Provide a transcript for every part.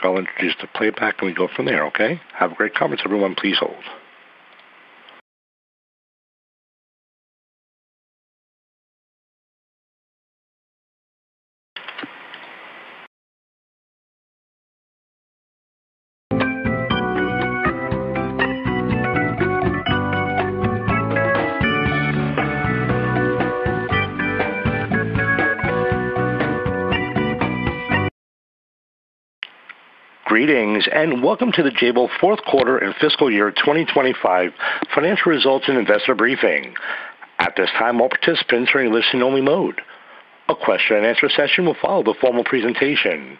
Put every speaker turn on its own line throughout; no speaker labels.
I want this to play back, and we go from there, okay? Have a great conference, everyone. Please hold. Greetings and welcome to the Jabil Fourth Quarter and Fiscal Year 2025 Financial Results and Investor Briefing. At this time, all participants are in listening-only mode. A question and answer session will follow the formal presentation.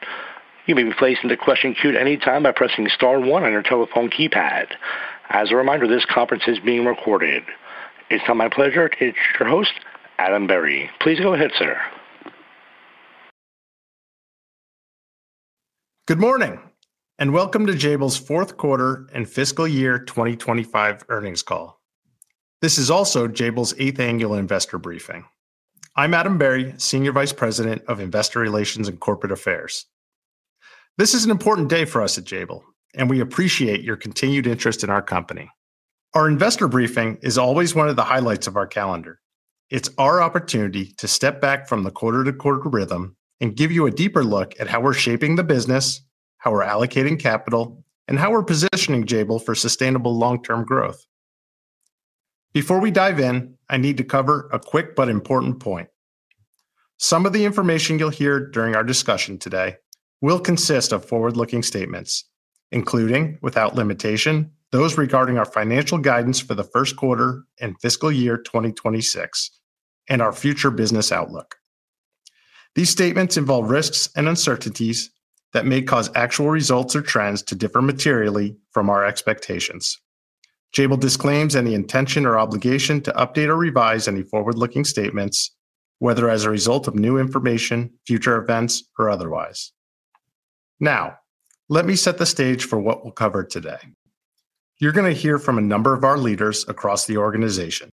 You may be placed in the question queue at any time by pressing star one on your telephone keypad. As a reminder, this conference is being recorded. It's now my pleasure to introduce your host, Adam Berry. Please go ahead, sir.
Good morning and welcome to Jabil's fourth quarter and fiscal year 2025 earnings call. This is also Jabil's eighth annual investor briefing. I'm Adam Berry, Senior Vice President of Investor Relations and Corporate Affairs. This is an important day for us at Jabil, and we appreciate your continued interest in our company. Our investor briefing is always one of the highlights of our calendar. It's our opportunity to step back from the quarter-to-quarter rhythm and give you a deeper look at how we're shaping the business, how we're allocating capital, and how we're positioning Jabil for sustainable long-term growth. Before we dive in, I need to cover a quick but important point. Some of the information you'll hear during our discussion today will consist of forward-looking statements, including without limitation, those regarding our financial guidance for the first quarter and fiscal year 2026, and our future business outlook. These statements involve risks and uncertainties that may cause actual results or trends to differ materially from our expectations. Jabil disclaims any intention or obligation to update or revise any forward-looking statements, whether as a result of new information, future events, or otherwise. Now, let me set the stage for what we'll cover today. You're going to hear from a number of our leaders across the organization,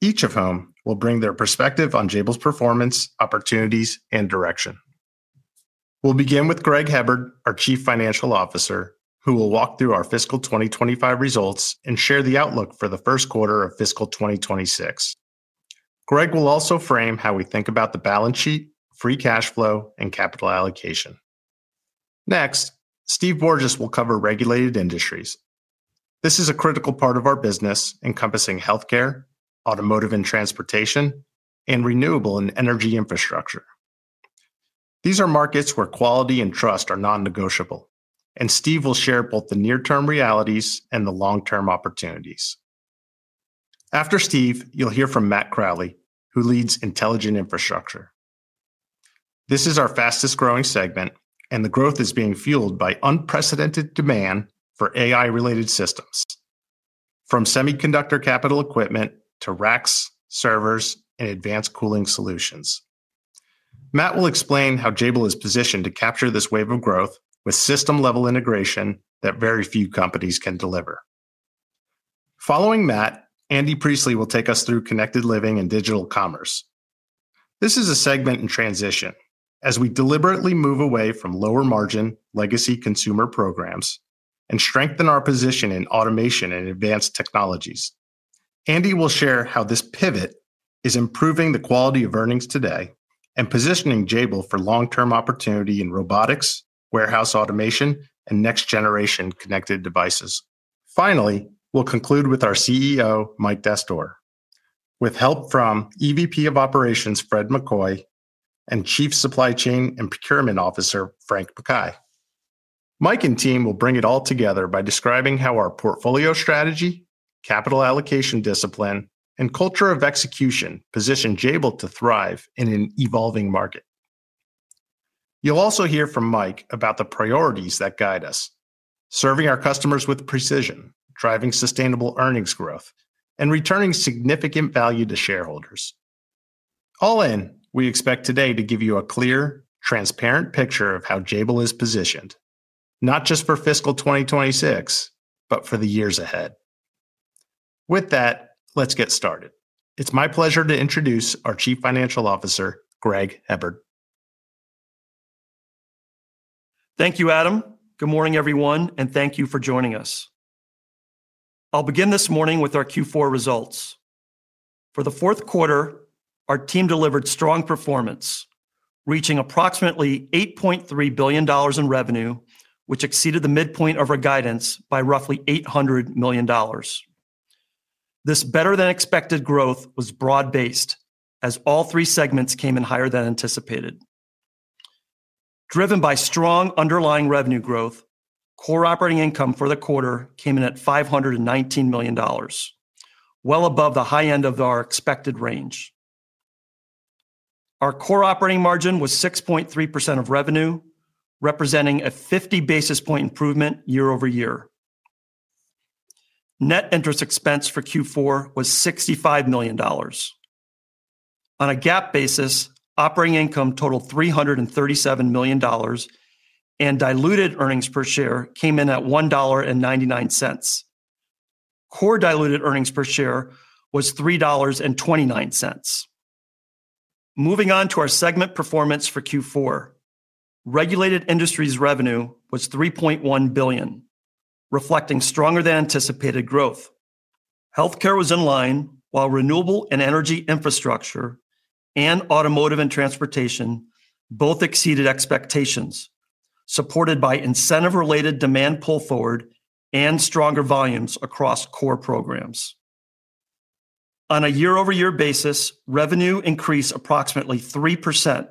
each of whom will bring their perspective on Jabil's performance, opportunities, and direction. We'll begin with Greg Hebard, our Chief Financial Officer, who will walk through our fiscal 2025 results and share the outlook for the first quarter of fiscal 2026. Greg will also frame how we think about the balance sheet, free cash flow, and capital allocation. Next, Steve Borges will cover Regulated Industries. This is a critical part of our business, encompassing healthcare, automotive and transportation, and renewable and energy infrastructure. These are markets where quality and trust are non-negotiable, and Steve will share both the near-term realities and the long-term opportunities. After Steve, you'll hear from Matt Crowley, who leads Intelligent Infrastructure. This is our fastest growing segment, and the growth is being fueled by unprecedented demand for AI-related systems, from semiconductor capital equipment to racks, servers, and advanced cooling solutions. Matt will explain how Jabil is positioned to capture this wave of growth with system-level integration that very few companies can deliver. Following Matt, Andy Priestley will take us through Connected Living and Digital Commerce. This is a segment in transition as we deliberately move away from lower margin legacy consumer programs and strengthen our position in automation and advanced technologies. Andy will share how this pivot is improving the quality of earnings today and positioning Jabil for long-term opportunity in robotics, warehouse automation, and next-generation connected devices. Finally, we'll conclude with our CEO, Mike Dastoor, with help from EVP of Operations, Fred McCoy, and Chief Supply Chain and Procurement Officer, Frank McKay. Mike and team will bring it all together by describing how our portfolio strategy, capital allocation discipline, and culture of execution position Jabil to thrive in an evolving market. You'll also hear from Mike about the priorities that guide us, serving our customers with precision, driving sustainable earnings growth, and returning significant value to shareholders. All in, we expect today to give you a clear, transparent picture of how Jabil is positioned, not just for fiscal 2026, but for the years ahead. With that, let's get started. It's my pleasure to introduce our Chief Financial Officer, Greg Hebard.
Thank you, Adam. Good morning, everyone, and thank you for joining us. I'll begin this morning with our Q4 results. For the fourth quarter, our team delivered strong performance, reaching approximately $8.3 billion in revenue, which exceeded the midpoint of our guidance by roughly $800 million. This better-than-expected growth was broad-based, as all three segments came in higher than anticipated. Driven by strong underlying revenue growth, core operating income for the quarter came in at $519 million, well above the high end of our expected range. Our core operating margin was 6.3% of revenue, representing a 50 basis point improvement year over year. Net interest expense for Q4 was $65 million. On a GAAP basis, operating income totaled $337 million, and diluted earnings per share came in at $1.99. Core diluted earnings per share was $3.29. Moving on to our segment performance for Q4, Regulated Industries revenue was $3.1 billion, reflecting stronger than anticipated growth. Healthcare was in line, while renewable and energy infrastructure and automotive and transportation both exceeded expectations, supported by incentive-related demand pull forward and stronger volumes across core programs. On a year-over-year basis, revenue increased approximately 3%,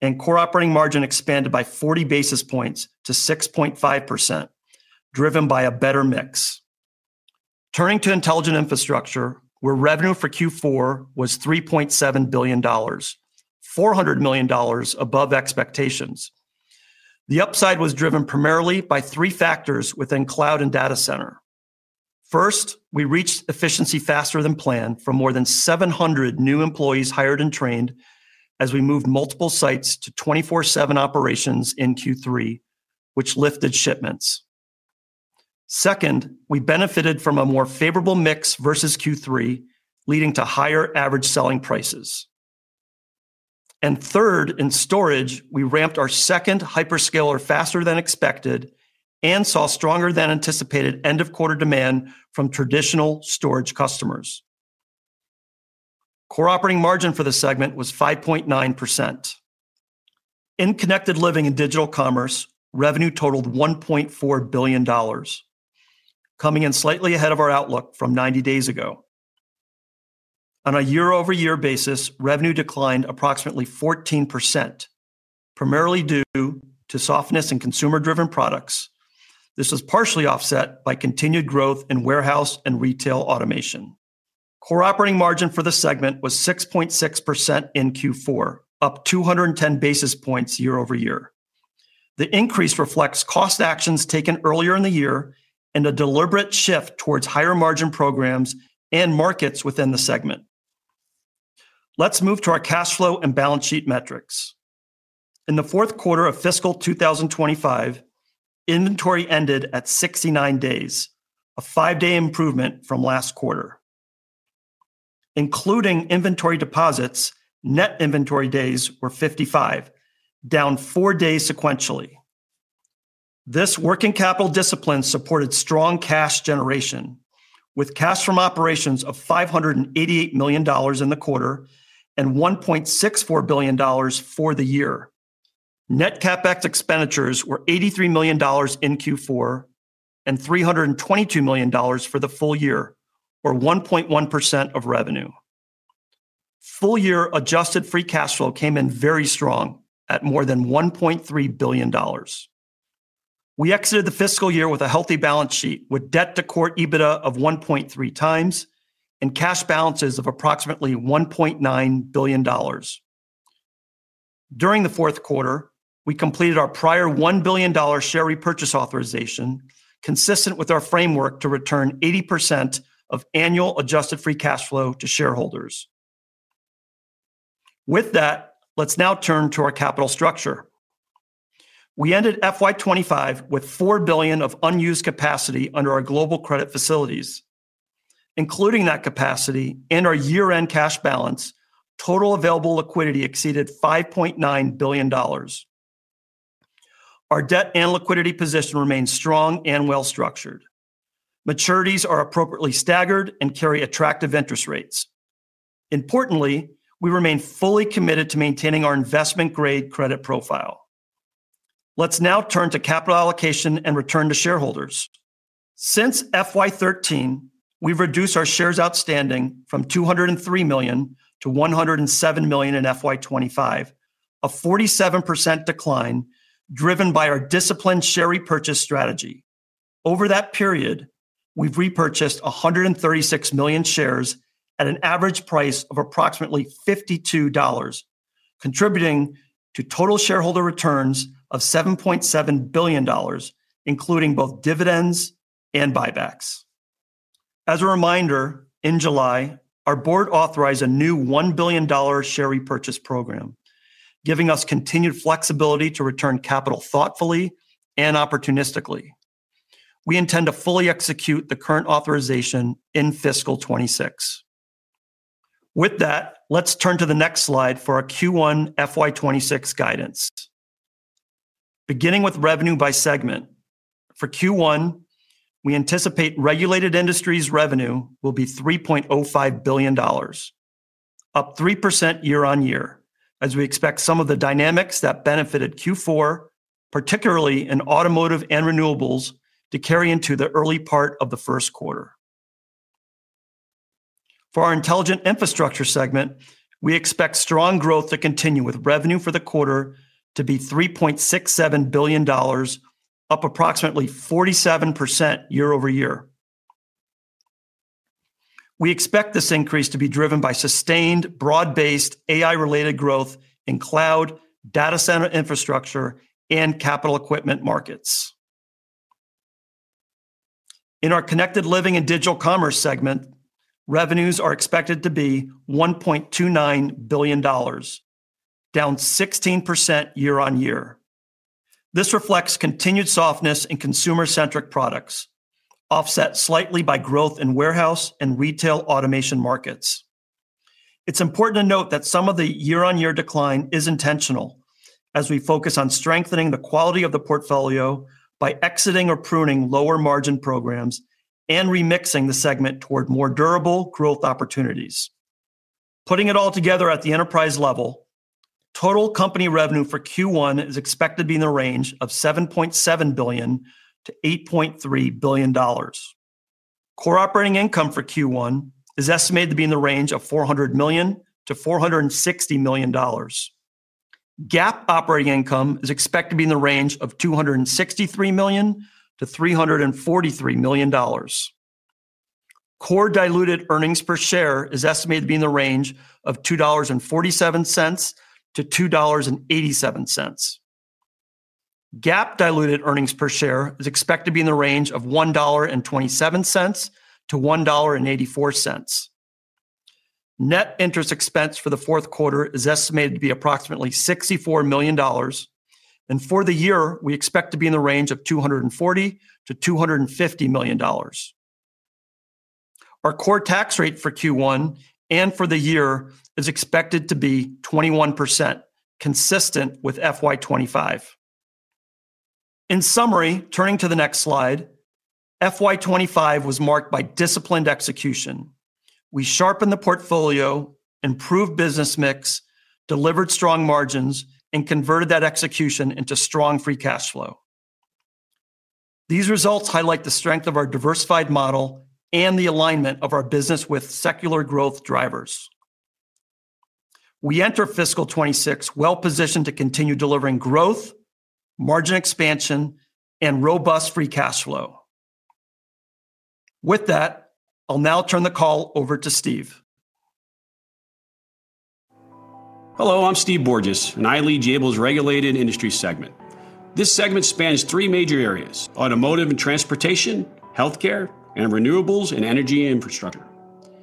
and core operating margin expanded by 40 basis points to 6.5%, driven by a better mix. Turning to Intelligent Infrastructure, where revenue for Q4 was $3.7 billion, $400 million above expectations. The upside was driven primarily by three factors within cloud and data center. First, we reached efficiency faster than planned for more than 700 new employees hired and trained as we moved multiple sites to 24/7 operations in Q3, which lifted shipments. Second, we benefited from a more favorable mix versus Q3, leading to higher average selling prices. Third, in storage, we ramped our second hyperscaler faster than expected and saw stronger than anticipated end-of-quarter demand from traditional storage customers. Core operating margin for the segment was 5.9%. In Connected Living and Digital Commerce, revenue totaled $1.4 billion, coming in slightly ahead of our outlook from 90 days ago. On a year-over-year basis, revenue declined approximately 14%, primarily due to softness in consumer-driven products. This was partially offset by continued growth in warehouse and retail automation. Core operating margin for the segment was 6.6% in Q4, up 210 basis points year-over-year. The increase reflects cost actions taken earlier in the year and a deliberate shift towards higher margin programs and markets within the segment. Let's move to our cash flow and balance sheet metrics. In the fourth quarter of fiscal 2025, inventory ended at 69 days, a five-day improvement from last quarter. Including inventory deposits, net inventory days were 55, down four days sequentially. This working capital discipline supported strong cash generation, with cash from operations of $588 million in the quarter and $1.64 billion for the year. Net CapEx expenditures were $83 million in Q4 and $322 million for the full year, or 1.1% of revenue. Full-year adjusted free cash flow came in very strong at more than $1.3 billion. We exited the fiscal year with a healthy balance sheet with debt-to-core EBITDA of 1.3x and cash balances of approximately $1.9 billion. During the fourth quarter, we completed our prior $1 billion share repurchase authorization, consistent with our framework to return 80% of annual adjusted free cash flow to shareholders. With that, let's now turn to our capital structure. We ended FY 2025 with $4 billion of unused capacity under our global credit facilities. Including that capacity and our year-end cash balance, total available liquidity exceeded $5.9 billion. Our debt and liquidity position remains strong and well-structured. Maturities are appropriately staggered and carry attractive interest rates. Importantly, we remain fully committed to maintaining our investment-grade credit profile. Let's now turn to capital allocation and return to shareholders. Since FY 2013, we've reduced our shares outstanding from 203 million to 107 million in FY 2025, a 47% decline driven by our disciplined share repurchase strategy. Over that period, we've repurchased 136 million shares at an average price of approximately $52, contributing to total shareholder returns of $7.7 billion, including both dividends and buybacks. As a reminder, in July, our board authorized a new $1 billion share repurchase program, giving us continued flexibility to return capital thoughtfully and opportunistically. We intend to fully execute the current authorization in fiscal 2026. With that, let's turn to the next slide for our Q1 FY 2026 guidance. Beginning with revenue by segment, for Q1, we anticipate Regulated Industries revenue will be $3.05 billion, up 3% year on year, as we expect some of the dynamics that benefited Q4, particularly in automotive and renewables, to carry into the early part of the first quarter. For our Intelligent Infrastructure segment, we expect strong growth to continue with revenue for the quarter to be $3.67 billion, up approximately 47% year-over-year. We expect this increase to be driven by sustained, broad-based AI-related growth in cloud, data center infrastructure, and capital equipment markets. In our Connected Living and Digital Commerce segment, revenues are expected to be $1.29 billion, down 16% year on year. This reflects continued softness in consumer-centric products, offset slightly by growth in warehouse and retail automation markets. It's important to note that some of the year-on-year decline is intentional, as we focus on strengthening the quality of the portfolio by exiting or pruning lower margin programs and remixing the segment toward more durable growth opportunities. Putting it all together at the enterprise level, total company revenue for Q1 is expected to be in the range of $7.7 billion-$8.3 billion. Core operating income for Q1 is estimated to be in the range of $400 million-$460 million. GAAP operating income is expected to be in the range of $263 million-$343 million. Core diluted earnings per share is estimated to be in the range of $2.47-$2.87. GAAP diluted earnings per share is expected to be in the range of $1.27-$1.84. Net interest expense for the fourth quarter is estimated to be approximately $64 million, and for the year, we expect to be in the range of $240 million-$250 million. Our core tax rate for Q1 and for the year is expected to be 21%, consistent with FY 2025. In summary, turning to the next slide, FY 2025 was marked by disciplined execution. We sharpened the portfolio, improved business mix, delivered strong margins, and converted that execution into strong free cash flow. These results highlight the strength of our diversified model and the alignment of our business with secular growth drivers. We enter fiscal 2026 well-positioned to continue delivering growth, margin expansion, and robust free cash flow. With that, I'll now turn the call over to Steve.
Hello, I'm Steve Borges, and I lead Jabil's Regulated Industries segment. This segment spans three major areas: automotive and transportation, healthcare, and renewables and energy infrastructure.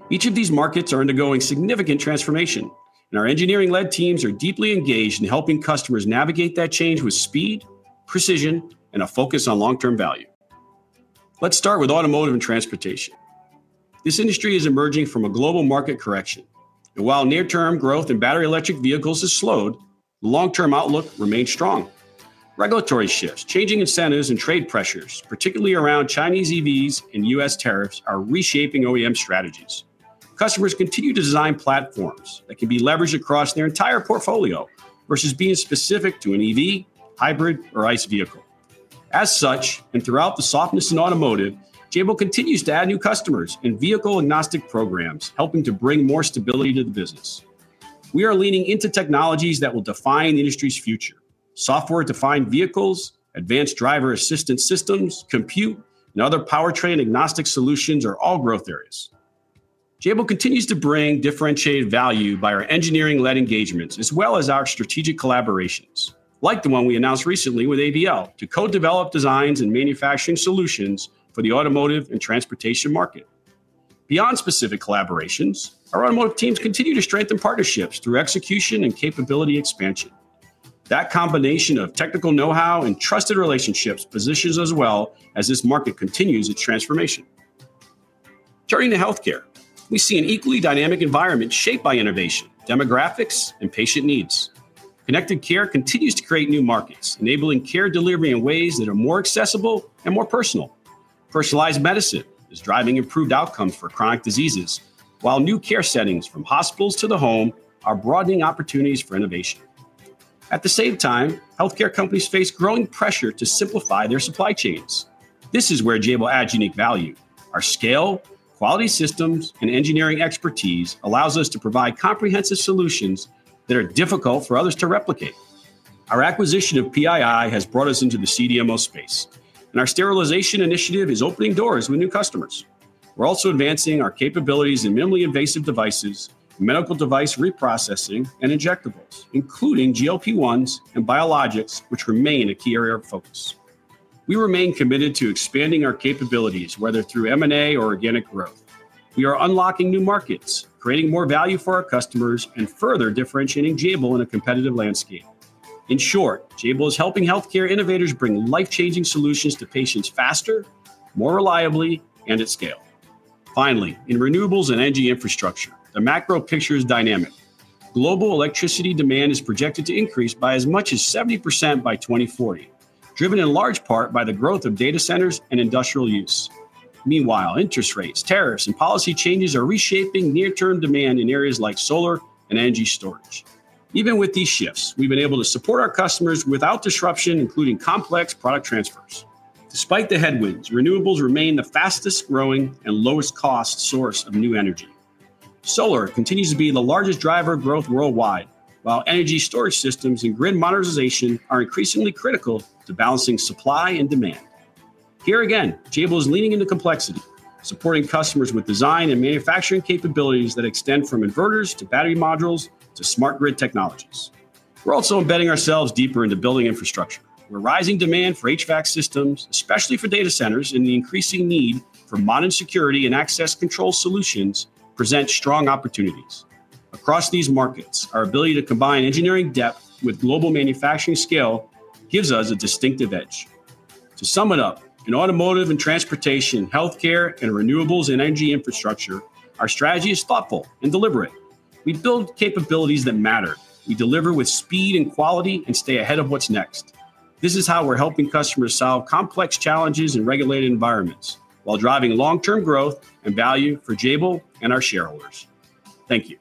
Each of these markets is undergoing significant transformation, and our engineering-led teams are deeply engaged in helping customers navigate that change with speed, precision, and a focus on long-term value. Let's start with automotive and transportation. This industry is emerging from a global market correction, and while near-term growth in battery electric vehicles has slowed, the long-term outlook remains strong. Regulatory shifts, changing incentives, and trade pressures, particularly around Chinese EVs and U.S. tariffs, are reshaping OEM strategies. Customers continue to design platforms that can be leveraged across their entire portfolio versus being specific to an EV, hybrid, or ICE vehicle. As such, and throughout the softness in automotive, Jabil continues to add new customers and vehicle-agnostic programs, helping to bring more stability to the business. We are leaning into technologies that will define the industry's future. Software-defined vehicles, advanced driver assistance systems, compute, and other powertrain-agnostic solutions are all growth areas. Jabil continues to bring differentiated value by our engineering-led engagements, as well as our strategic collaborations, like the one we announced recently with ABL to co-develop designs and manufacturing solutions for the automotive and transportation market. Beyond specific collaborations, our automotive teams continue to strengthen partnerships through execution and capability expansion. That combination of technical know-how and trusted relationships positions us well as this market continues its transformation. Turning to healthcare, we see an equally dynamic environment shaped by innovation, demographics, and patient needs. Connected care continues to create new markets, enabling care delivery in ways that are more accessible and more personal. Personalized medicine is driving improved outcomes for chronic diseases, while new care settings from hospitals to the home are broadening opportunities for innovation. At the same time, healthcare companies face growing pressure to simplify their supply chains. This is where Jabil adds unique value. Our scale, quality systems, and engineering expertise allow us to provide comprehensive solutions that are difficult for others to replicate. Our acquisition of Pii has brought us into the CDMO space, and our sterilization initiative is opening doors with new customers. We're also advancing our capabilities in minimally invasive devices, medical device reprocessing, and injectables, including GLP-1s and biologics, which remain a key area of focus. We remain committed to expanding our capabilities, whether through M&A or organic growth. We are unlocking new markets, creating more value for our customers, and further differentiating Jabil in a competitive landscape. In short, Jabil is helping healthcare innovators bring life-changing solutions to patients faster, more reliably, and at scale. Finally, in renewables and energy infrastructure, the macro picture is dynamic. Global electricity demand is projected to increase by as much as 70% by 2040, driven in large part by the growth of data centers and industrial use. Meanwhile, interest rates, tariffs, and policy changes are reshaping near-term demand in areas like solar and energy storage. Even with these shifts, we've been able to support our customers without disruption, including complex product transfers. Despite the headwinds, renewables remain the fastest growing and lowest cost source of new energy. Solar continues to be the largest driver of growth worldwide, while energy storage systems and grid modernization are increasingly critical to balancing supply and demand. Here again, Jabil is leaning into complexity, supporting customers with design and manufacturing capabilities that extend from inverters to battery modules to smart grid technologies. We're also embedding ourselves deeper into building infrastructure, where rising demand for HVAC systems, especially for data centers, and the increasing need for modern security and access control solutions present strong opportunities. Across these markets, our ability to combine engineering depth with global manufacturing scale gives us a distinctive edge. To sum it up, in automotive and transportation, healthcare, and renewables and energy infrastructure, our strategy is thoughtful and deliberate. We build capabilities that matter. We deliver with speed and quality and stay ahead of what's next. This is how we're helping customers solve complex challenges in regulated environments while driving long-term growth and value for Jabil and our shareholders. Thank you.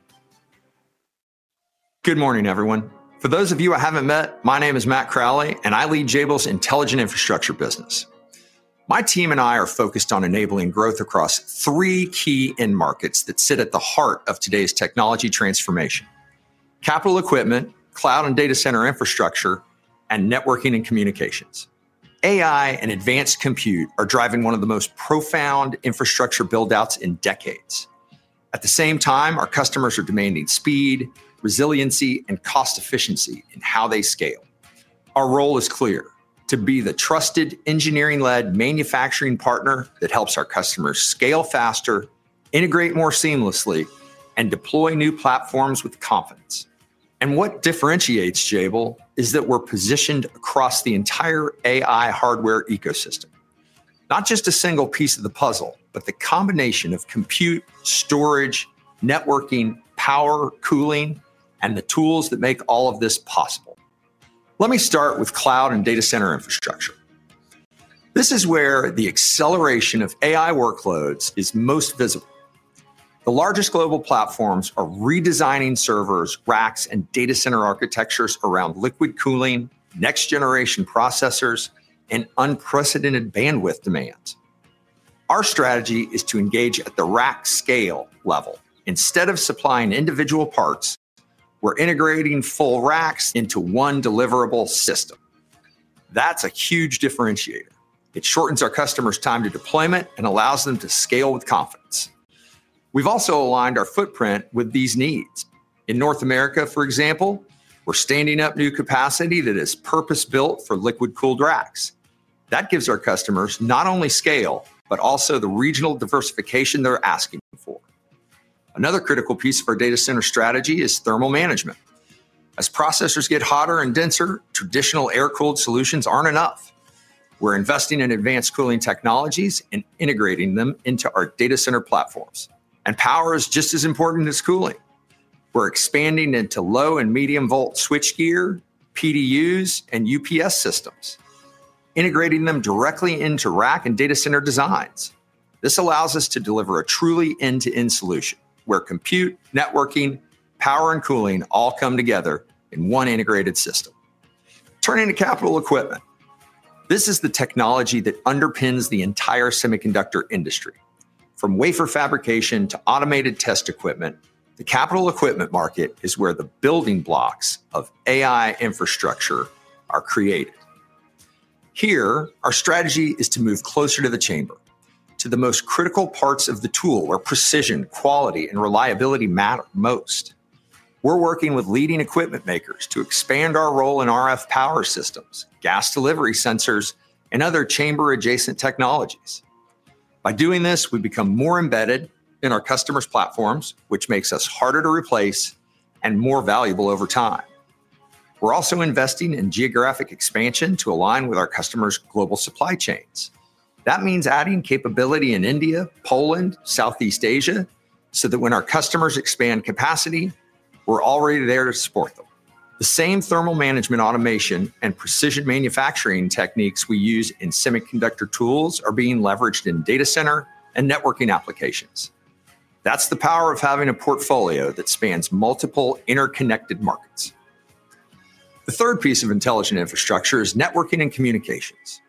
Good morning, everyone. For those of you I haven't met, my name is Matt Crowley, and I lead Jabil's Intelligent Infrastructure business. My team and I are focused on enabling growth across three key end markets that sit at the heart of today's technology transformation: capital equipment, cloud and data center infrastructure, and networking and communications. AI and advanced compute are driving one of the most profound infrastructure buildouts in decades. At the same time, our customers are demanding speed, resiliency, and cost efficiency in how they scale. Our role is clear: to be the trusted engineering-led manufacturing partner that helps our customers scale faster, integrate more seamlessly, and deploy new platforms with confidence. What differentiates Jabil is that we're positioned across the entire AI hardware ecosystem, not just a single piece of the puzzle, but the combination of compute, storage, networking, power, cooling, and the tools that make all of this possible. Let me start with cloud and data center infrastructure. This is where the acceleration of AI workloads is most visible. The largest global platforms are redesigning servers, racks, and data center architectures around liquid cooling, next-generation processors, and unprecedented bandwidth demands. Our strategy is to engage at the rack scale level. Instead of supplying individual parts, we're integrating full racks into one deliverable system. That's a huge differentiator. It shortens our customers' time to deployment and allows them to scale with confidence. We've also aligned our footprint with these needs. In North America, for example, we're standing up new capacity that is purpose-built for liquid-cooled racks. That gives our customers not only scale but also the regional diversification they're asking for. Another critical piece of our data center strategy is thermal management. As processors get hotter and denser, traditional air-cooled solutions aren't enough. We're investing in advanced cooling technologies and integrating them into our data center platforms. Power is just as important as cooling. We're expanding into low and medium-volt switch gear, PDUs, and UPS systems, integrating them directly into rack and data center designs. This allows us to deliver a truly end-to-end solution where compute, networking, power, and cooling all come together in one integrated system. Turning to capital equipment, this is the technology that underpins the entire semiconductor industry. From wafer fabrication to automated test equipment, the capital equipment market is where the building blocks of AI infrastructure are created. Here, our strategy is to move closer to the chamber, to the most critical parts of the tool where precision, quality, and reliability matter most. We're working with leading equipment makers to expand our role in RF power systems, gas delivery sensors, and other chamber-adjacent technologies. By doing this, we become more embedded in our customers' platforms, which makes us harder to replace and more valuable over time. We're also investing in geographic expansion to align with our customers' global supply chains. That means adding capability in India, Poland, and Southeast Asia so that when our customers expand capacity, we're already there to support them. The same thermal management automation and precision manufacturing techniques we use in semiconductor tools are being leveraged in data center and networking applications. That's the power of having a portfolio that spans multiple interconnected markets. The third piece of Intelligent Infrastructure is networking and communications.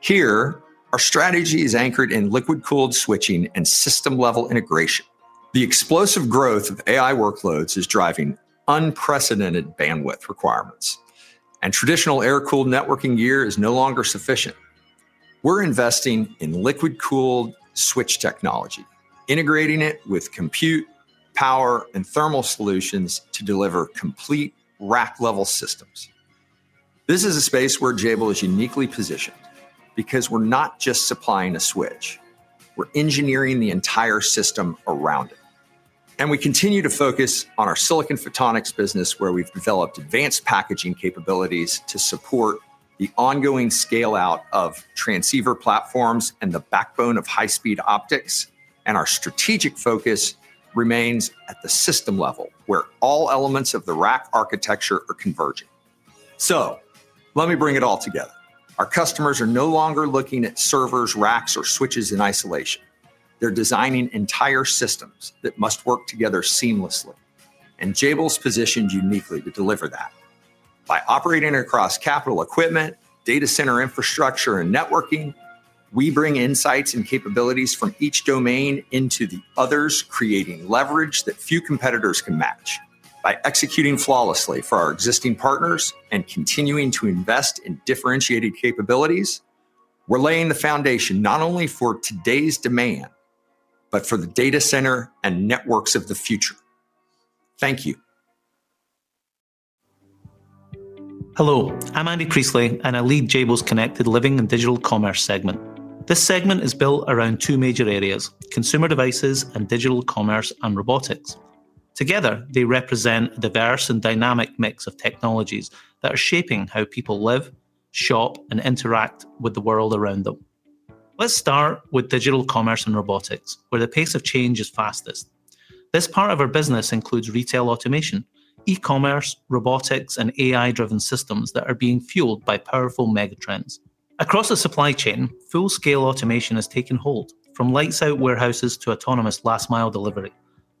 Here, our strategy is anchored in liquid-cooled switching and system-level integration. The explosive growth of AI workloads is driving unprecedented bandwidth requirements, and traditional air-cooled networking gear is no longer sufficient. We're investing in liquid-cooled switch technology, integrating it with compute, power, and thermal solutions to deliver complete rack-level systems. This is a space where Jabil is uniquely positioned because we're not just supplying a switch. We're engineering the entire system around it. We continue to focus on our silicon photonics business, where we've developed advanced packaging capabilities to support the ongoing scale-out of transceiver platforms and the backbone of high-speed optics. Our strategic focus remains at the system level, where all elements of the rack architecture are converging. Let me bring it all together. Our customers are no longer looking at servers, racks, or switches in isolation. They're designing entire systems that must work together seamlessly, and Jabil is positioned uniquely to deliver that. By operating across capital equipment, data center infrastructure, and networking, we bring insights and capabilities from each domain into the others, creating leverage that few competitors can match. By executing flawlessly for our existing partners and continuing to invest in differentiated capabilities, we're laying the foundation not only for today's demand but for the data center and networks of the future. Thank you.
Hello, I'm Andy Priestley, and I lead Jabil's Connected Living and Digital Commerce segment. This segment is built around two major areas: consumer devices and digital commerce and robotics. Together, they represent a diverse and dynamic mix of technologies that are shaping how people live, shop, and interact with the world around them. Let's start with digital commerce and robotics, where the pace of change is fastest. This part of our business includes retail automation, e-commerce, robotics, and AI-driven systems that are being fueled by powerful megatrends. Across the supply chain, full-scale automation has taken hold, from lights-out warehouses to autonomous last-mile delivery.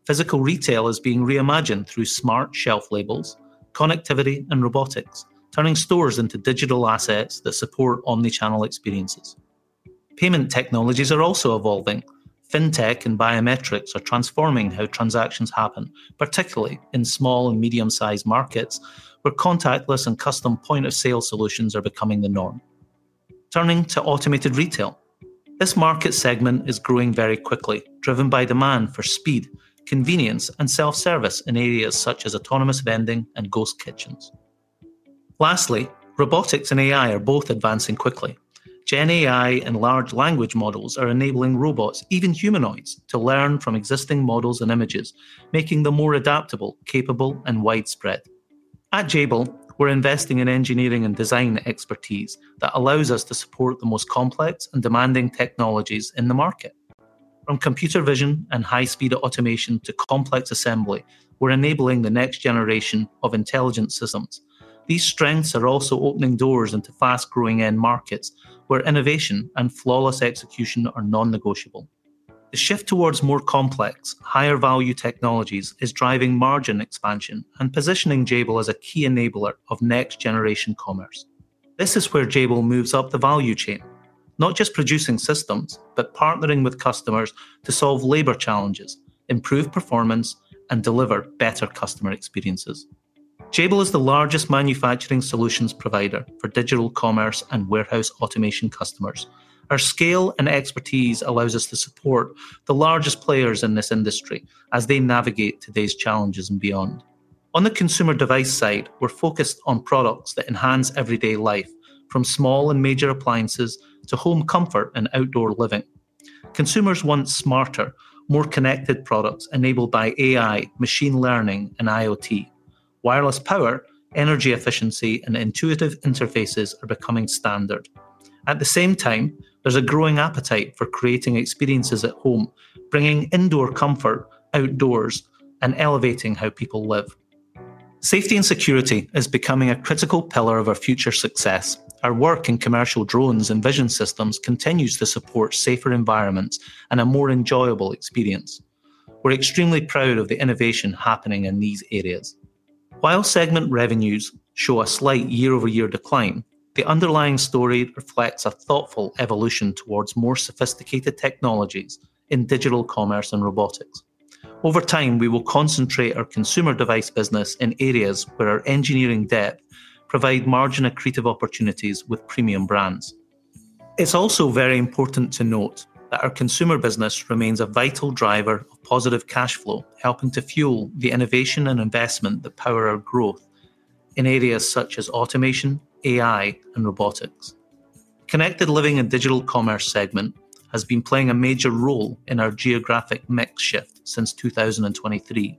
Physical retail is being reimagined through smart shelf labels, connectivity, and robotics, turning stores into digital assets that support omnichannel experiences. Payment technologies are also evolving. Fintech and biometrics are transforming how transactions happen, particularly in small and medium-sized markets, where contactless and custom point-of-sale solutions are becoming the norm. Turning to automated retail, this market segment is growing very quickly, driven by demand for speed, convenience, and self-service in areas such as autonomous vending and ghost kitchens. Lastly, robotics and AI are both advancing quickly. Gen AI and large language models are enabling robots, even humanoids, to learn from existing models and images, making them more adaptable, capable, and widespread. At Jabil, we're investing in engineering and design expertise that allows us to support the most complex and demanding technologies in the market. From computer vision and high-speed automation to complex assembly, we're enabling the next generation of intelligent systems. These strengths are also opening doors into fast-growing end markets, where innovation and flawless execution are non-negotiable. The shift towards more complex, higher-value technologies is driving margin expansion and positioning Jabil as a key enabler of next-generation commerce. This is where Jabil moves up the value chain, not just producing systems, but partnering with customers to solve labor challenges, improve performance, and deliver better customer experiences. Jabil is the largest manufacturing solutions provider for digital commerce and warehouse automation customers. Our scale and expertise allow us to support the largest players in this industry as they navigate today's challenges and beyond. On the consumer device side, we're focused on products that enhance everyday life, from small and major appliances to home comfort and outdoor living. Consumers want smarter, more connected products enabled by AI, machine learning, and IoT. Wireless power, energy efficiency, and intuitive interfaces are becoming standard. At the same time, there's a growing appetite for creating experiences at home, bringing indoor comfort outdoors, and elevating how people live. Safety and security is becoming a critical pillar of our future success. Our work in commercial drones and vision systems continues to support safer environments and a more enjoyable experience. We're extremely proud of the innovation happening in these areas. While segment revenues show a slight year-over-year decline, the underlying story reflects a thoughtful evolution towards more sophisticated technologies in digital commerce and robotics. Over time, we will concentrate our consumer device business in areas where our engineering depth provides margin of creative opportunities with premium brands. It's also very important to note that our consumer business remains a vital driver of positive cash flow, helping to fuel the innovation and investment that power our growth in areas such as automation, AI, and robotics. The Connected Living and Digital Commerce segment has been playing a major role in our geographic mix shift since 2023,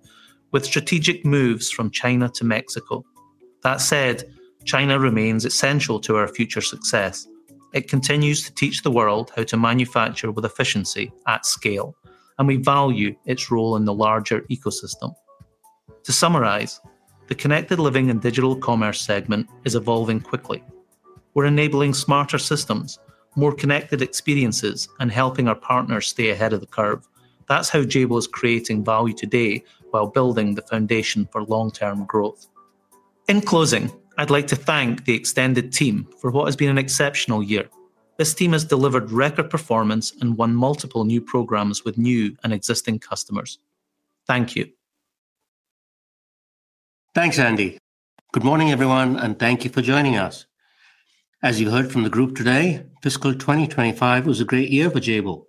with strategic moves from China to Mexico. That said, China remains essential to our future success. It continues to teach the world how to manufacture with efficiency at scale, and we value its role in the larger ecosystem. To summarize, the Connected Living and Digital Commerce segment is evolving quickly. We're enabling smarter systems, more connected experiences, and helping our partners stay ahead of the curve. That's how Jabil is creating value today while building the foundation for long-term growth. In closing, I'd like to thank the extended team for what has been an exceptional year. This team has delivered record performance and won multiple new programs with new and existing customers. Thank you.
Thanks, Andy. Good morning, everyone, and thank you for joining us. As you heard from the group today, fiscal 2025 was a great year for Jabil.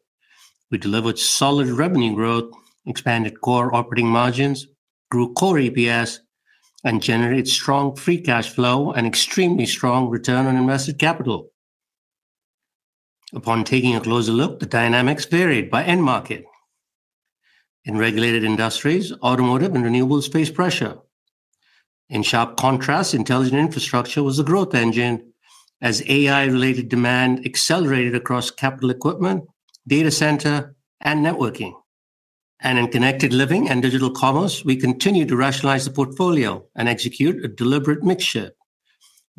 We delivered solid revenue growth, expanded core operating margins, grew core EPS, and generated strong free cash flow and extremely strong return on invested capital. Upon taking a closer look, the dynamics varied by end market. In Regulated Industries, automotive and renewables faced pressure. In sharp contrast, Intelligent Infrastructure was a growth engine as AI-related demand accelerated across capital equipment, data center, and networking. In Connected Living and Digital Commerce, we continued to rationalize the portfolio and execute a deliberate mixture,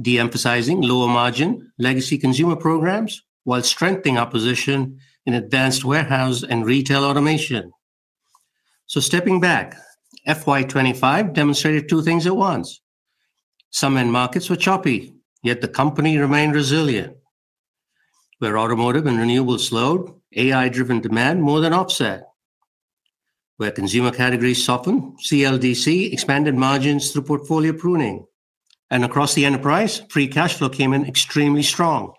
deemphasizing lower margin legacy consumer programs while strengthening our position in advanced warehouse and retail automation. Stepping back, FY 2025 demonstrated two things at once. Some end markets were choppy, yet the company remained resilient. Where automotive and renewables slowed, AI-driven demand more than offset. Where consumer categories softened, CLDC expanded margins through portfolio pruning. Across the enterprise, free cash flow came in extremely strong.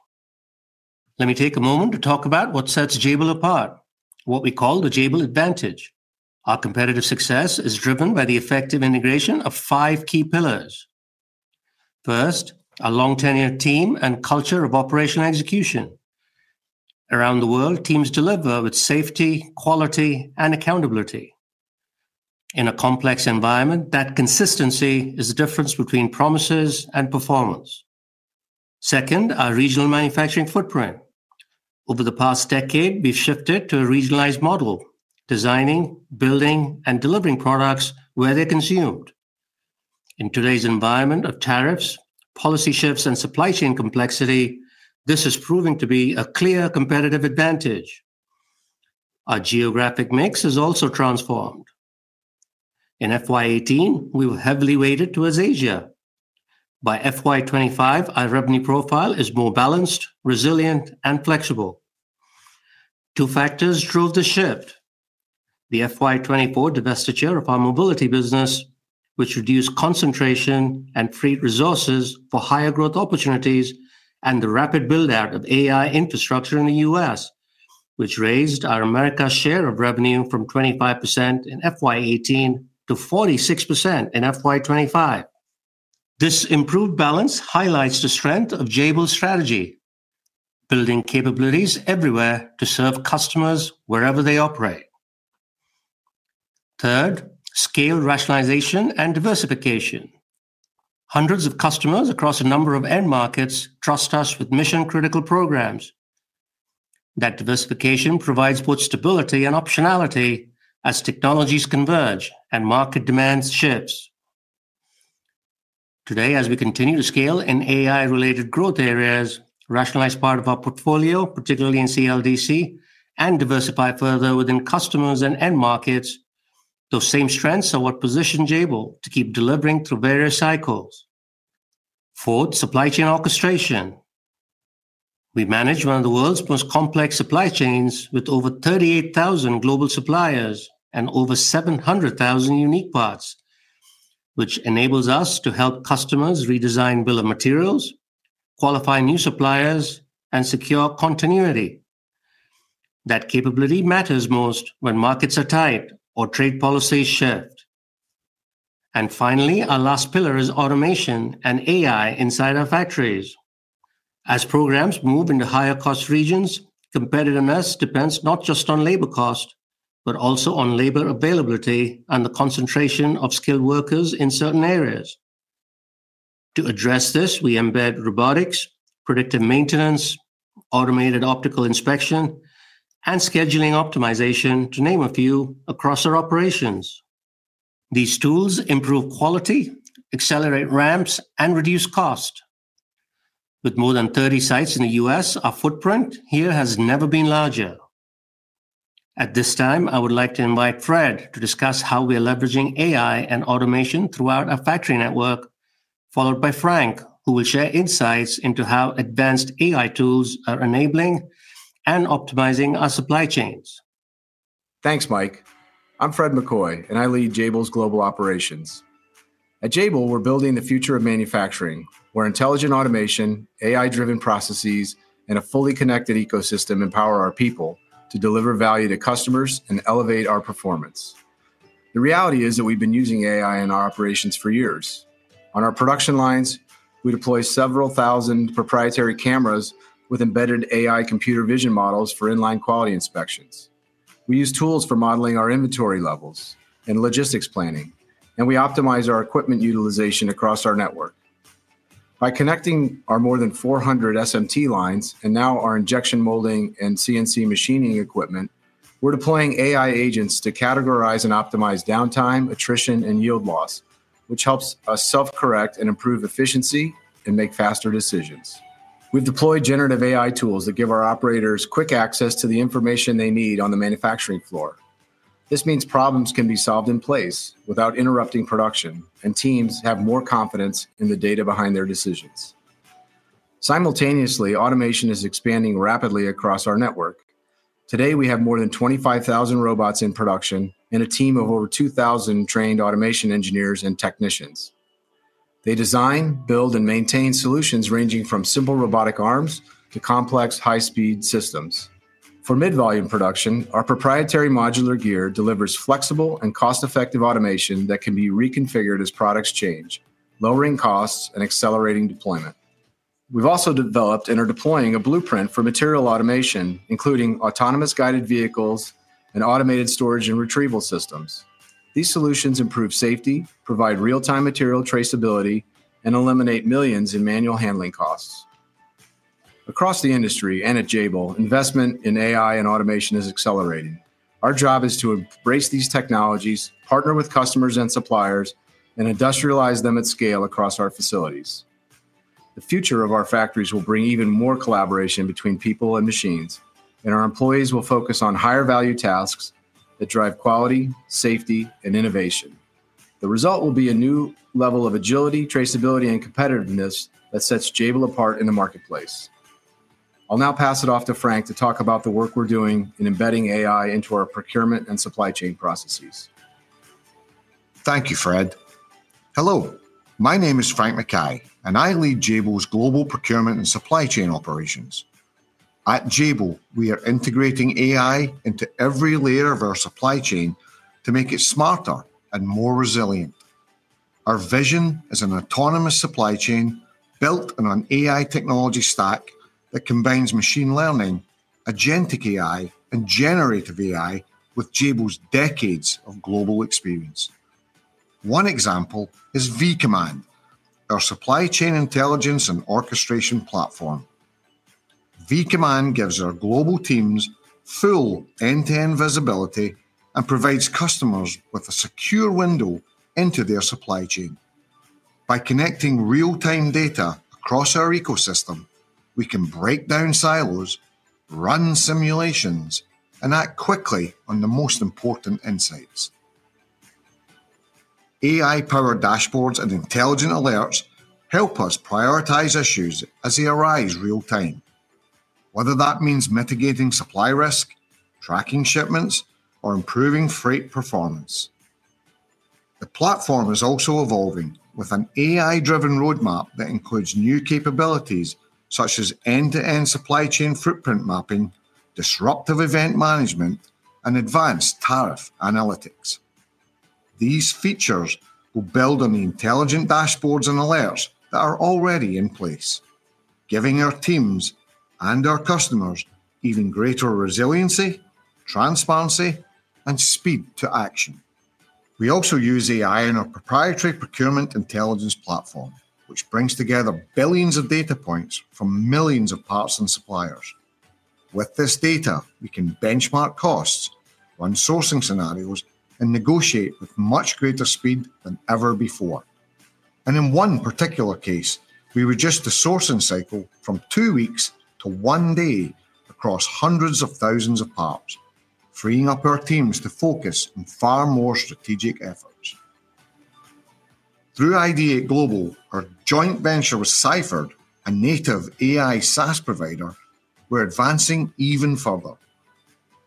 Let me take a moment to talk about what sets Jabil apart, what we call the Jabil advantage. Our competitive success is driven by the effective integration of five key pillars. First, our long-tenured team and culture of operational execution. Around the world, teams deliver with safety, quality, and accountability. In a complex environment, that consistency is the difference between promises and performance. Second, our regional manufacturing footprint. Over the past decade, we've shifted to a regionalized model, designing, building, and delivering products where they're consumed. In today's environment of tariffs, policy shifts, and supply chain complexity, this is proving to be a clear competitive advantage. Our geographic mix has also transformed. In FY 2018, we were heavily weighted towards Asia. By FY 2025, our revenue profile is more balanced, resilient, and flexible. Two factors drove the shift: the FY 2024 divestiture of our mobility business, which reduced concentration and freed resources for higher growth opportunities, and the rapid buildout of AI infrastructure in the U.S., which raised our America share of revenue from 25% in FY 2018 to 46% in FY 2025. This improved balance highlights the strength of Jabil's strategy, building capabilities everywhere to serve customers wherever they operate. Third, scale rationalization and diversification. Hundreds of customers across a number of end markets trust us with mission-critical programs. That diversification provides both stability and optionality as technologies converge and market demands shift. Today, as we continue to scale in AI-related growth areas, rationalize part of our portfolio, Jabil CL and DC, and diversify further within customers and end markets, those same strengths are what position Jabil to keep delivering through various cycles. Fourth, supply chain orchestration. We manage one of the world's most complex supply chains with over 38,000 global suppliers and over 700,000 unique parts, which enables us to help customers redesign bill of materials, qualify new suppliers, and secure continuity. That capability matters most when markets are tight or trade policies shift. Finally, our last pillar is automation and AI inside our factories. As programs move into higher cost regions, competitiveness depends not just on labor cost, but also on labor availability and the concentration of skilled workers in certain areas. To address this, we embed robotics, predictive maintenance, automated optical inspection, and scheduling optimization, to name a few, across our operations. These tools improve quality, accelerate ramps, and reduce cost. With more than 30 sites in the U.S., our footprint here has never been larger. At this time, I would like to invite Fred to discuss how we are leveraging AI and automation throughout our factory network, followed by Frank, who will share insights into how advanced AI tools are enabling and optimizing our supply chains.
Thanks, Mike. I'm Fred McCoy, and I lead Jabil's global operations. At Jabil, we're building the future of manufacturing, where intelligent automation, AI-driven processes, and a fully connected ecosystem empower our people to deliver value to customers and elevate our performance. The reality is that we've been using AI in our operations for years. On our production lines, we deploy several thousand proprietary cameras with embedded AI computer vision models for inline quality inspections. We use tools for modeling our inventory levels and logistics planning, and we optimize our equipment utilization across our network. By connecting our more than 400 SMT lines and now our injection molding and CNC machining equipment, we're deploying AI agents to categorize and optimize downtime, attrition, and yield loss, which helps us self-correct and improve efficiency and make faster decisions. We've deployed generative AI tools that give our operators quick access to the information they need on the manufacturing floor. This means problems can be solved in place without interrupting production, and teams have more confidence in the data behind their decisions. Simultaneously, automation is expanding rapidly across our network. Today, we have more than 25,000 robots in production and a team of over 2,000 trained automation engineers and technicians. They design, build, and maintain solutions ranging from simple robotic arms to complex high-speed systems. For mid-volume production, our proprietary modular gear delivers flexible and cost-effective automation that can be reconfigured as products change, lowering costs and accelerating deployment. We've also developed and are deploying a blueprint for material automation, including autonomous guided vehicles and automated storage and retrieval systems. These solutions improve safety, provide real-time material traceability, and eliminate millions in manual handling costs. Across the industry and at Jabil, investment in AI and automation is accelerating. Our job is to embrace these technologies, partner with customers and suppliers, and industrialize them at scale across our facilities. The future of our factories will bring even more collaboration between people and machines, and our employees will focus on higher-value tasks that drive quality, safety, and innovation. The result will be a new level of agility, traceability, and competitiveness that sets Jabil apart in the marketplace. I'll now pass it off to Frank to talk about the work we're doing in embedding AI into our procurement and supply chain processes.
Thank you, Fred. Hello, my name is Frank McKay, and I lead Jabil's global procurement and supply chain operations. At Jabil, we are integrating AI into every layer of our supply chain to make it smarter and more resilient. Our vision is an autonomous supply chain built on an AI technology stack that combines machine learning, agentic AI, and generative AI with Jabil's decades of global experience. One example is vCommand, our supply chain intelligence and orchestration platform. vCommand gives our global teams full end-to-end visibility and provides customers with a secure window into their supply chain. By connecting real-time data across our ecosystem, we can break down silos, run simulations, and act quickly on the most important insights. AI-powered dashboards and intelligent alerts help us prioritize issues as they arise in real time, whether that means mitigating supply risk, tracking shipments, or improving freight performance. The platform is also evolving with an AI-driven roadmap that includes new capabilities such as end-to-end supply chain footprint mapping, disruptive event management, and advanced tariff analytics. These features will build on the intelligent dashboards and alerts that are already in place, giving our teams and our customers even greater resiliency, transparency, and speed to action. We also use AI in our proprietary procurement intelligence platform, which brings together billions of data points from millions of parts and suppliers. With this data, we can benchmark costs, run sourcing scenarios, and negotiate with much greater speed than ever before. In one particular case, we reduced the sourcing cycle from two weeks to one day across hundreds of thousands of parts, freeing up our teams to focus on far more strategic efforts. Through ID8 Global, our joint venture with Cyferd, a native AI SaaS provider, we're advancing even further.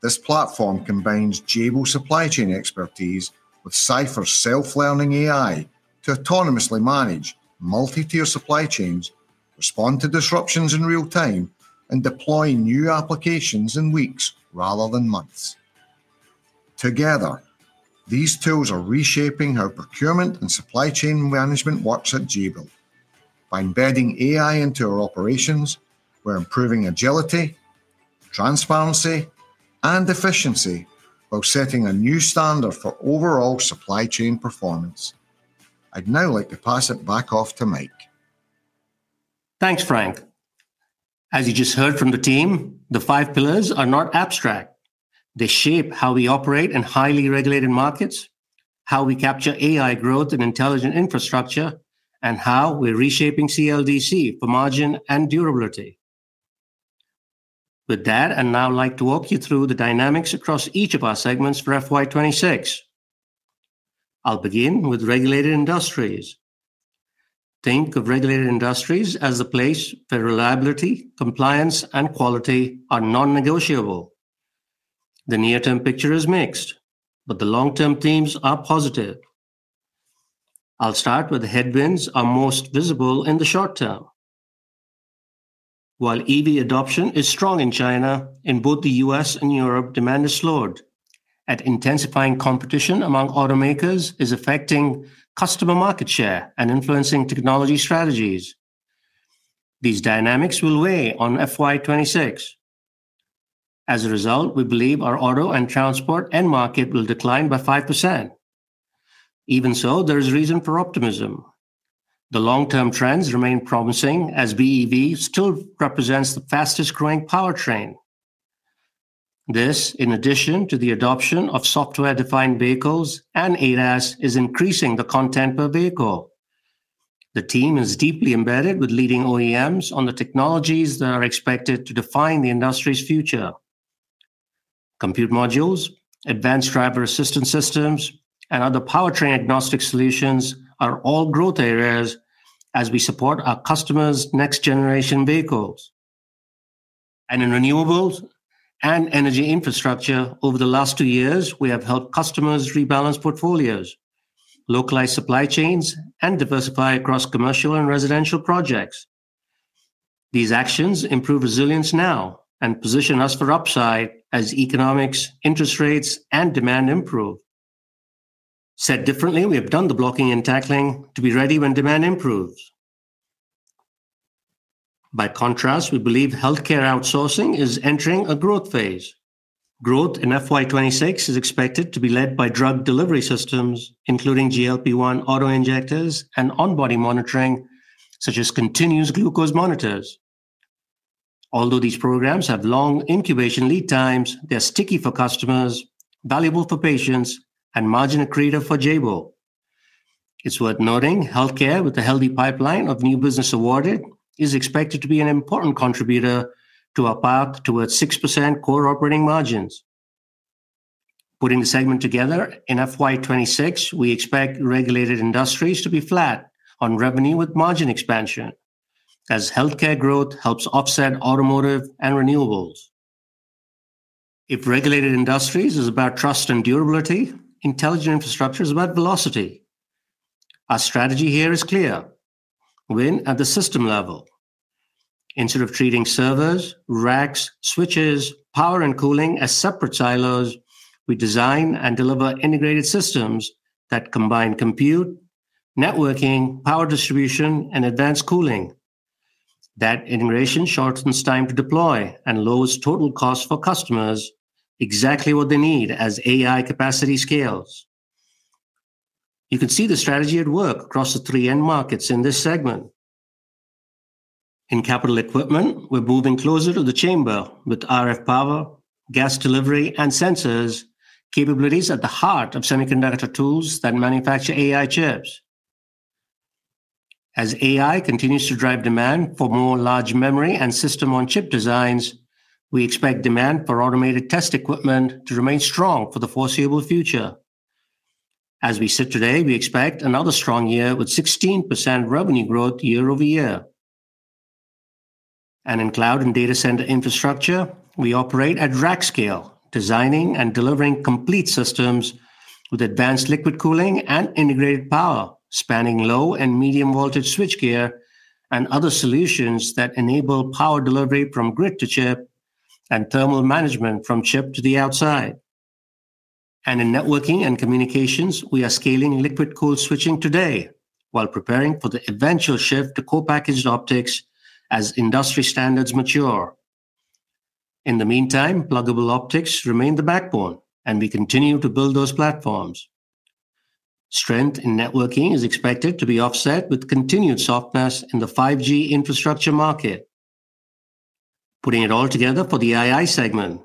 This platform combines Jabil's supply chain expertise with Cyferd's self-learning AI to autonomously manage multi-tier supply chains, respond to disruptions in real time, and deploy new applications in weeks rather than months. Together, these tools are reshaping how procurement and supply chain management works at Jabil. By embedding AI into our operations, we're improving agility, transparency, and efficiency, both setting a new standard for overall supply chain performance. I'd now like to pass it back off to Mike.
Thanks, Frank. As you just heard from the team, the five pillars are not abstract. They shape how we operate in highly regulated markets, how we capture AI growth in Intelligent Infrastructure, and how we're reshaping CL and DC for margin and durability. With that, I'd now like to walk you through the dynamics across each of our segments for FY 2026. I'll begin with Regulated Industries. Think of Regulated Industries as the place where reliability, compliance, and quality are non-negotiable. The near-term picture is mixed, but the long-term themes are positive. I'll start with the headwinds that are most visible in the short term. While EV adoption is strong in China, in both the U.S. and Europe, demand has slowed. Intensifying competition among automakers is affecting customer market share and influencing technology strategies. These dynamics will weigh on FY 2026. As a result, we believe our auto and transport end market will decline by 5%. Even so, there is reason for optimism. The long-term trends remain promising as BEV still represents the fastest growing powertrain. This, in addition to the adoption of software-defined vehicles and ADAS, is increasing the content per vehicle. The team is deeply embedded with leading OEMs on the technologies that are expected to define the industry's future. Compute modules, advanced driver assistance systems, and other powertrain-agnostic solutions are all growth areas as we support our customers' next-generation vehicles. In renewables and energy infrastructure, over the last two years, we have helped customers rebalance portfolios, localize supply chains, and diversify across commercial and residential projects. These actions improve resilience now and position us for upside as economics, interest rates, and demand improve. Said differently, we have done the blocking and tackling to be ready when demand improves. By contrast, we believe healthcare outsourcing is entering a growth phase. Growth in FY 2026 is expected to be led by drug delivery systems, including GLP-1 auto injectors and on-body monitoring, such as continuous glucose monitors. Although these programs have long incubation lead times, they're sticky for customers, valuable for patients, and margin accretive for Jabil. It's worth noting healthcare, with a healthy pipeline of new business awarded, is expected to be an important contributor to our path towards 6% core operating margins. Putting the segment together, in FY 2026, we expect Regulated Industries to be flat on revenue with margin expansion, as healthcare growth helps offset automotive and renewables. If Regulated Industries are about trust and durability, Intelligent Infrastructure is about velocity. Our strategy here is clear: win at the system level. Instead of treating servers, racks, switches, power, and cooling as separate silos, we design and deliver integrated systems that combine compute, networking, power distribution, and advanced cooling. That integration shortens time to deploy and lowers total costs for customers, exactly what they need as AI capacity scales. You can see the strategy at work across the three end markets in this segment. In capital equipment, we're moving closer to the chamber with RF power, gas delivery, and sensors, capabilities at the heart of semiconductor tools that manufacture AI chips. As AI continues to drive demand for more large memory and system-on-chip designs, we expect demand for automated test equipment to remain strong for the foreseeable future. As we sit today, we expect another strong year with 16% revenue growth year-over-year. In cloud and data center infrastructure, we operate at rack scale, designing and delivering complete systems with advanced liquid cooling and integrated power, spanning low and medium voltage switch gear and other solutions that enable power delivery from grid to chip and thermal management from chip to the outside. In networking and communications, we are scaling liquid code-switching today while preparing for the eventual shift to core packaged optics as industry standards mature. In the meantime, pluggable optics remain the backbone, and we continue to build those platforms. Strength in networking is expected to be offset with continued softness in the 5G infrastructure market. Putting it all together for the AI segment,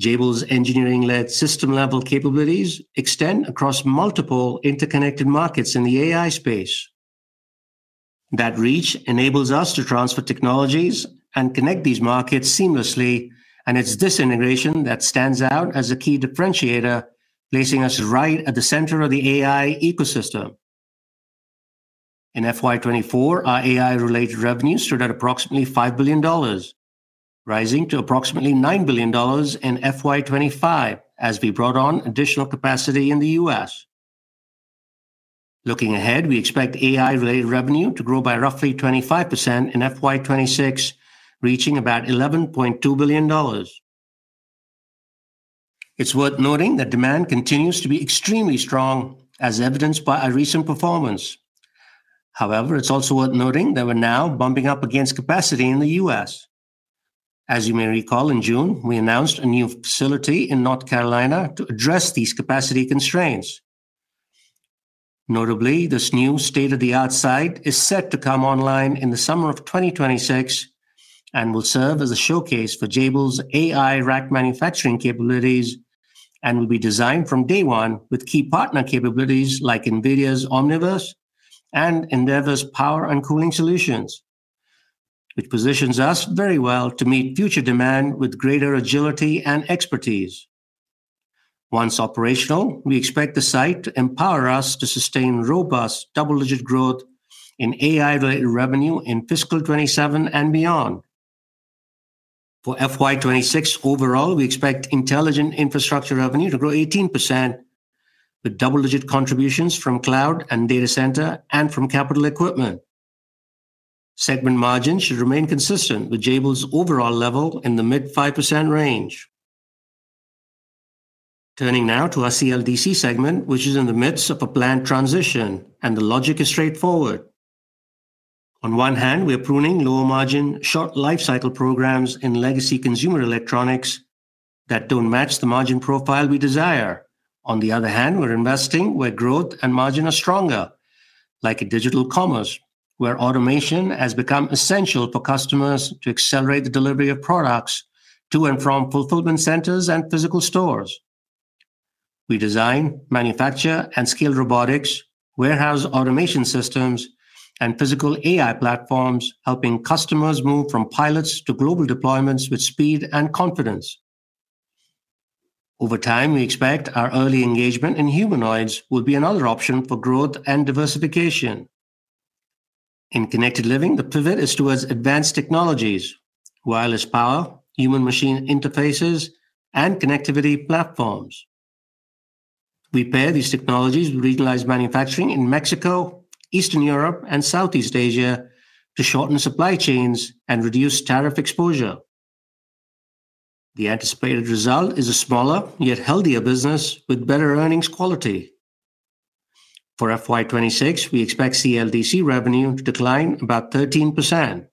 Jabil's engineering-led system-level capabilities extend across multiple interconnected markets in the AI space. That reach enables us to transfer technologies and connect these markets seamlessly, and it's this integration that stands out as a key differentiator, placing us right at the center of the AI ecosystem. In FY 2024, our AI-related revenue stood at approximately $5 billion, rising to approximately $9 billion in FY 2025 as we brought on additional capacity in the U.S. Looking ahead, we expect AI-related revenue to grow by roughly 25% in FY 2026, reaching about $11.2 billion. It's worth noting that demand continues to be extremely strong, as evidenced by our recent performance. However, it's also worth noting that we're now bumping up against capacity in the U.S. As you may recall, in June, we announced a new facility in North Carolina to address these capacity constraints. Notably, this new state-of-the-art site is set to come online in the summer of 2026 and will serve as a showcase for Jabil's AI rack manufacturing capabilities and will be designed from day one with key partner capabilities like NVIDIA's Omniverse and Endeavour's Power and Cooling Solutions, which positions us very well to meet future demand with greater agility and expertise. Once operational, we expect the site to empower us to sustain robust double-digit growth in AI-related revenue in fiscal 2027 and beyond. For FY 2026 overall, we expect Intelligent Infrastructure revenue to grow 18% with double-digit contributions from cloud and data center and from capital equipment. Segment margins should remain consistent with Jabil's overall level in the mid-5% range. Turning now to our CL and DC segment, which is in the midst of a planned transition, and the logic is straightforward. On one hand, we're pruning lower margin, short lifecycle programs in legacy consumer electronics that don't match the margin profile we desire. On the other hand, we're investing where growth and margin are stronger, like in digital commerce, where automation has become essential for customers to accelerate the delivery of products to and from fulfillment centers and physical stores. We design, manufacture, and scale robotics, warehouse automation systems, and physical AI platforms, helping customers move from pilots to global deployments with speed and confidence. Over time, we expect our early engagement in humanoids will be another option for growth and diversification. In Connected Living, the pivot is towards advanced technologies: wireless power, human-machine interfaces, and connectivity platforms. We pair these technologies with regionalized manufacturing in Mexico, Eastern Europe, and Southeast Asia to shorten supply chains and reduce tariff exposure. The anticipated result is a smaller yet healthier business with better earnings quality. For FY 2026, we expect CL and DC revenue to decline about 13%.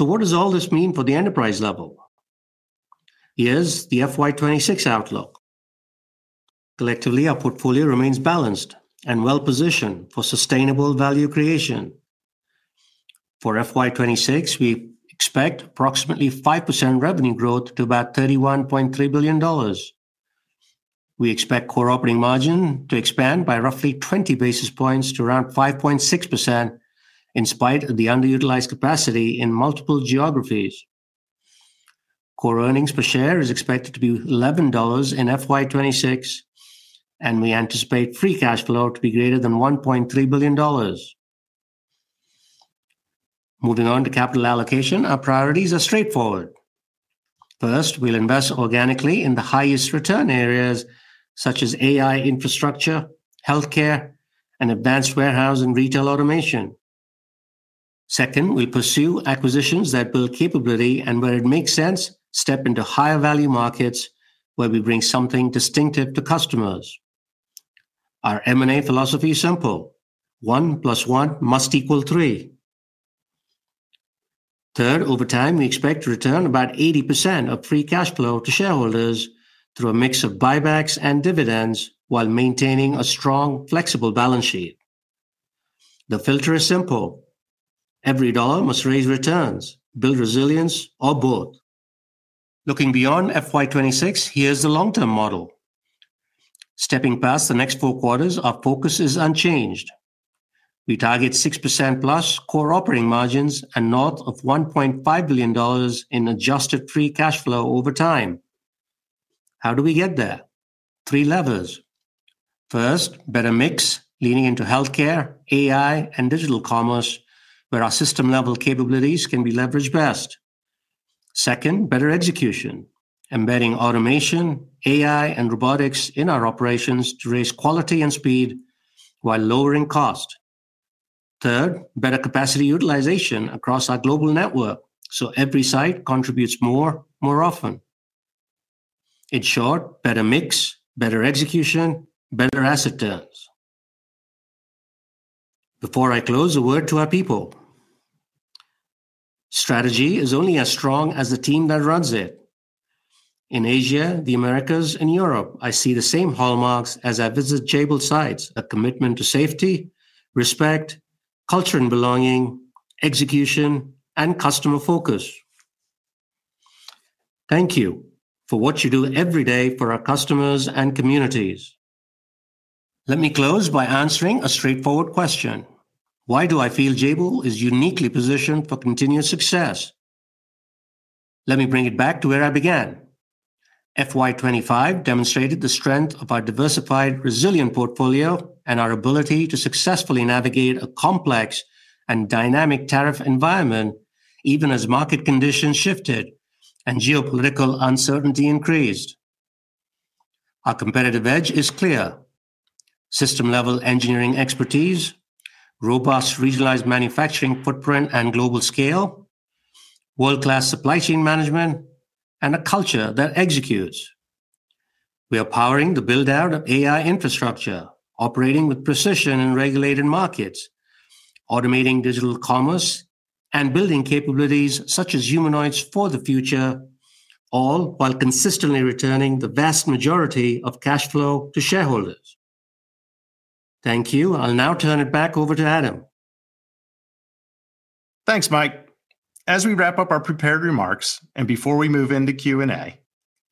What does all this mean for the enterprise level? Here's the FY 2026 outlook. Collectively, our portfolio remains balanced and well-positioned for sustainable value creation. For FY 2026, we expect approximately 5% revenue growth to about $31.3 billion. We expect core operating margin to expand by roughly 20 basis points to around 5.6% in spite of the underutilized capacity in multiple geographies. Core earnings per share are expected to be $11 in FY 2026, and we anticipate free cash flow to be greater than $1.3 billion. Moving on to capital allocation, our priorities are straightforward. First, we'll invest organically in the highest return areas, such as AI infrastructure, healthcare, and advanced warehouse and retail automation. Second, we pursue acquisitions that build capability and, where it makes sense, step into higher value markets where we bring something distinctive to customers. Our M&A philosophy is simple: one plus one must equal three. Third, over time, we expect to return about 80% of free cash flow to shareholders through a mix of buybacks and dividends while maintaining a strong, flexible balance sheet. The filter is simple: every dollar must raise returns, build resilience, or both. Looking beyond FY 2026, here's the long-term model. Stepping past the next four quarters, our focus is unchanged. We target 6%+ core operating margins and north of $1.5 billion in adjusted free cash flow over time. How do we get there? Three levels. First, better mix, leaning into healthcare, AI, and digital commerce, where our system-level capabilities can be leveraged best. Second, better execution, embedding automation, AI, and robotics in our operations to raise quality and speed while lowering cost. Third, better capacity utilization across our global network so every site contributes more, more often. In short, better mix, better execution, better asset terms. Before I close, a word to our people. Strategy is only as strong as the team that runs it. In Asia, the Americas, and Europe, I see the same hallmarks as I visit Jabil sites: a commitment to safety, respect, culture and belonging, execution, and customer focus. Thank you for what you do every day for our customers and communities. Let me close by answering a straightforward question: why do I feel Jabil is uniquely positioned for continuous success? Let me bring it back to where I began. FY 2025 demonstrated the strength of our diversified, resilient portfolio and our ability to successfully navigate a complex and dynamic tariff environment, even as market conditions shifted and geopolitical uncertainty increased. Our competitive edge is clear: system-level engineering expertise, robust regionalized manufacturing footprint and global scale, world-class supply chain management, and a culture that executes. We are powering the buildout of AI infrastructure, operating with precision in regulated markets, automating digital commerce, and building capabilities such as humanoids for the future, all while consistently returning the vast majority of cash flow to shareholders. Thank you. I'll now turn it back over to Adam.
Thanks, Mike. As we wrap up our prepared remarks and before we move into Q&A,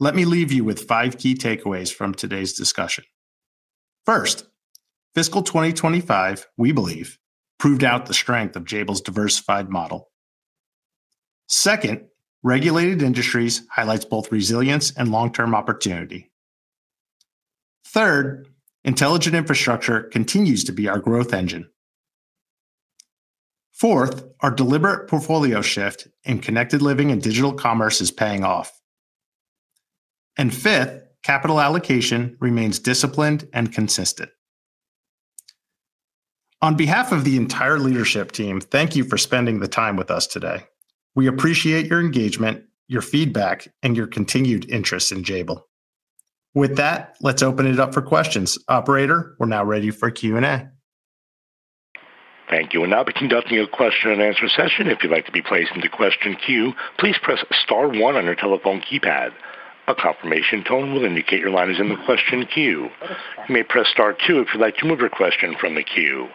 let me leave you with five key takeaways from today's discussion. First, fiscal 2025, we believe, proved out the strength of Jabil's diversified model. Second, regulated industries highlight both resilience and long-term opportunity. Third, Intelligent Infrastructure continues to be our growth engine. Fourth, our deliberate portfolio shift in Connected Living and Digital Commerce is paying off. Fifth, capital allocation remains disciplined and consistent. On behalf of the entire leadership team, thank you for spending the time with us today. We appreciate your engagement, your feedback, and your continued interest in Jabil. With that, let's open it up for questions. Operator, we're now ready for Q&A.
Thank you. We'll now be conducting a question and answer session. If you'd like to be placed in the question queue, please press star one on your telephone keypad. A confirmation tone will indicate your line is in the question queue. You may press star two if you'd like to move your question from the queue.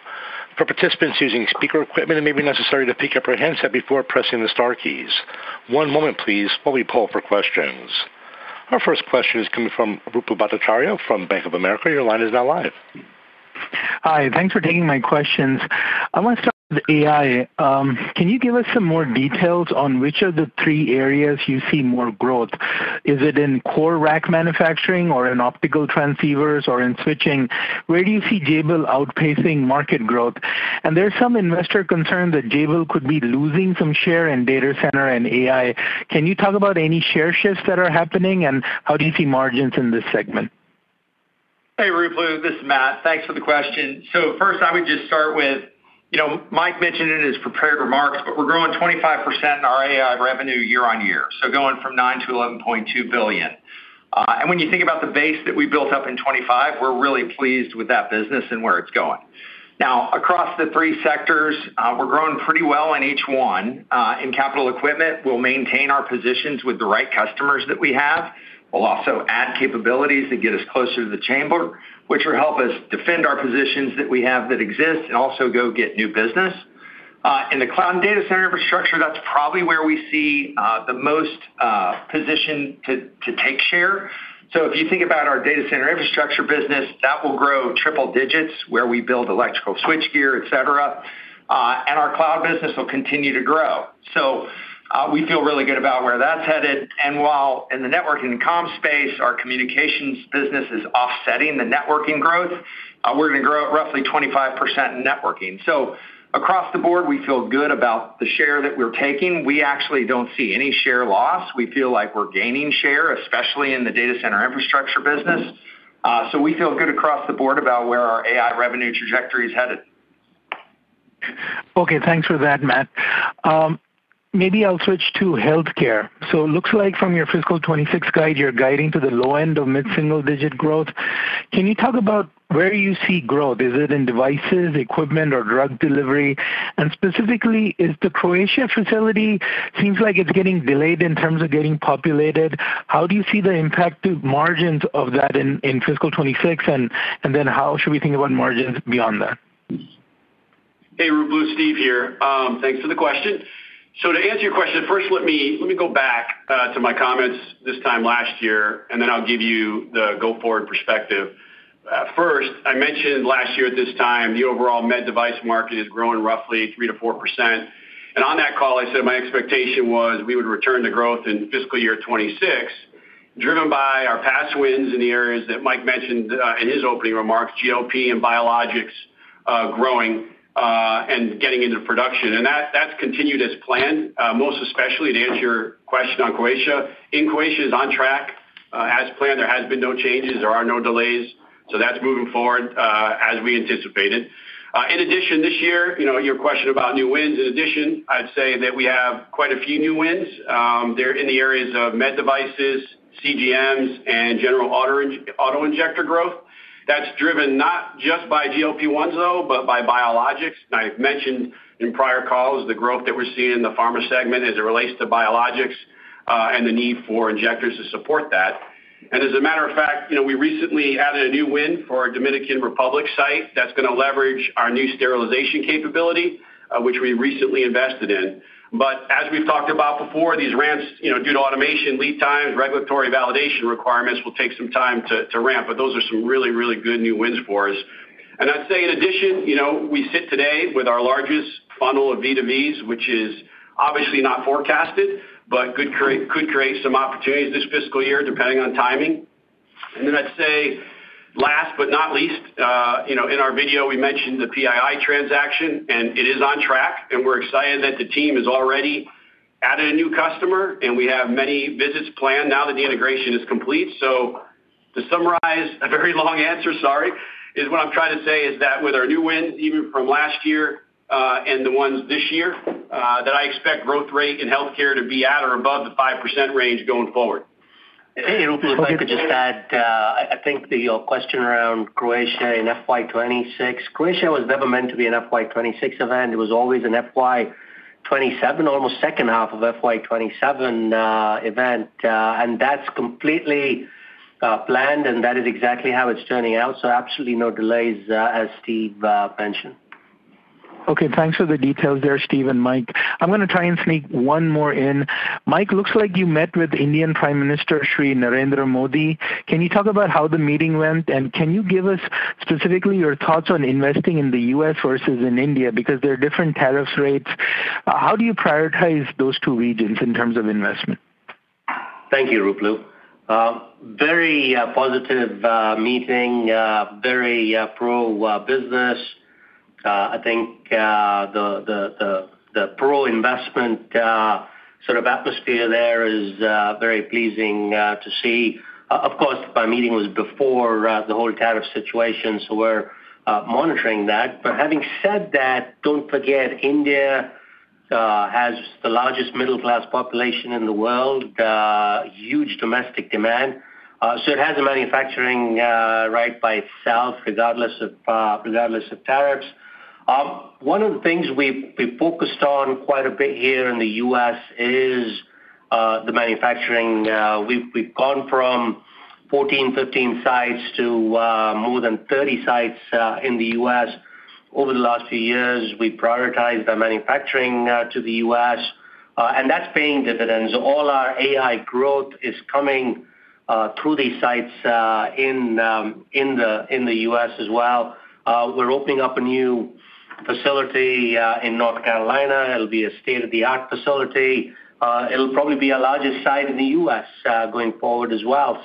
For participants using speaker equipment, it may be necessary to pick up your headset before pressing the star keys. One moment, please, while we poll for questions. Our first question is coming from Ruplu Bhattacharya from Bank of America. Your line is now live.
Hi, thanks for taking my questions. I want to start with AI. Can you give us some more details on which of the three areas you see more growth? Is it in core rack manufacturing, or in optical transceivers, or in switching? Where do you see Jabil outpacing market growth? There are some investor concerns that Jabil could be losing some share in data center and AI. Can you talk about any share shifts that are happening and how do you see margins in this segment?
Hey, Ruplu, this is Matt. Thanks for the question. First, I would just start with, you know, Mike mentioned in his prepared remarks, but we're growing 25% in our AI revenue year on year, going from $9 billion to $11.2 billion. When you think about the base that we built up in 2025, we're really pleased with that business and where it's going. Across the three sectors, we're growing pretty well in each one. In capital equipment, we'll maintain our positions with the right customers that we have. We'll also add capabilities that get us closer to the chamber, which will help us defend our positions that we have that exist and also go get new business. In the cloud and data center infrastructure, that's probably where we see the most position to take share. If you think about our data center infrastructure business, that will grow triple digits where we build electrical switch gear, et cetera, and our cloud business will continue to grow. We feel really good about where that's headed. While in the networking and comms space, our communications business is offsetting the networking growth, we're going to grow at roughly 25% in networking. Across the board, we feel good about the share that we're taking. We actually don't see any share loss. We feel like we're gaining share, especially in the data center infrastructure business. We feel good across the board about where our AI revenue trajectory is headed.
Okay, thanks for that, Matt. Maybe I'll switch to healthcare. It looks like from your fiscal 2026 guide, you're guiding to the low end of mid-single-digit growth. Can you talk about where you see growth? Is it in devices, equipment, or drug delivery? Specifically, the Croatia facility seems like it's getting delayed in terms of getting populated. How do you see the impact to margins of that in fiscal 2026? How should we think about margins beyond that?
Hey, Ruplu, Steve here. Thanks for the question. To answer your question, first let me go back to my comments this time last year, and then I'll give you the go-forward perspective. I mentioned last year at this time, the overall med device market is growing roughly 3%-4%. On that call, I said my expectation was we would return to growth in fiscal year 2026, driven by our past wins in the areas that Mike mentioned in his opening remarks, GLP and biologics growing and getting into production. That's continued as planned, most especially to answer your question on Croatia. Croatia is on track as planned. There have been no changes. There are no delays. That's moving forward as we anticipated. In addition, this year, your question about new wins. I'd say that we have quite a few new wins. They're in the areas of med devices, CGMs, and general auto injector growth. That's driven not just by GLP-1s, though, but by biologics. I've mentioned in prior calls the growth that we're seeing in the pharma segment as it relates to biologics and the need for injectors to support that. As a matter of fact, we recently added a new win for our Dominican Republic site that's going to leverage our new sterilization capability, which we recently invested in. As we've talked about before, these ramps due to automation lead times, regulatory validation requirements will take some time to ramp. Those are some really, really good new wins for us. In addition, we sit today with our largest funnel of B2Bs, which is obviously not forecasted, but could create some opportunities this fiscal year depending on timing. Last but not least, in our video, we mentioned the Pii transaction, and it is on track. We're excited that the team has already added a new customer, and we have many visits planned now that the integration is complete. To summarize, a very long answer, sorry, what I'm trying to say is that with our new wins, even from last year and the ones this year, I expect growth rate in healthcare to be at or above the 5% range going forward.
Hey, Ruplu, if I could just add, I think your question around Croatia in FY 2026, Croatia was never meant to be an FY 2026 event. It was always an FY 2027, almost second half of FY 2027 event. That is completely planned, and that is exactly how it's turning out. Absolutely no delays, as Steve mentioned.
Okay, thanks for the details there, Steve and Mike. I'm going to try and sneak one more in. Mike, it looks like you met with Indian Prime Minister Sri Narendra Modi. Can you talk about how the meeting went? Can you give us specifically your thoughts on investing in the U.S. versus in India? There are different tariffs rates. How do you prioritize those two regions in terms of investment?
Thank you, Ruplu. Very positive meeting, very pro-business. I think the pro-investment sort of atmosphere there is very pleasing to see. Of course, the meeting was before the whole tariff situation, so we're monitoring that. Having said that, don't forget India has the largest middle-class population in the world, huge domestic demand. It has a manufacturing right by itself, regardless of tariffs. One of the things we focused on quite a bit here in the U.S. is the manufacturing. We've gone from 14, 15 sites to more than 30 sites in the U.S. over the last few years. We prioritized our manufacturing to the U.S., and that's paying dividends. All our AI growth is coming through these sites in the U.S. as well. We're opening up a new facility in North Carolina. It'll be a state-of-the-art facility. It'll probably be our largest site in the U.S. going forward as well.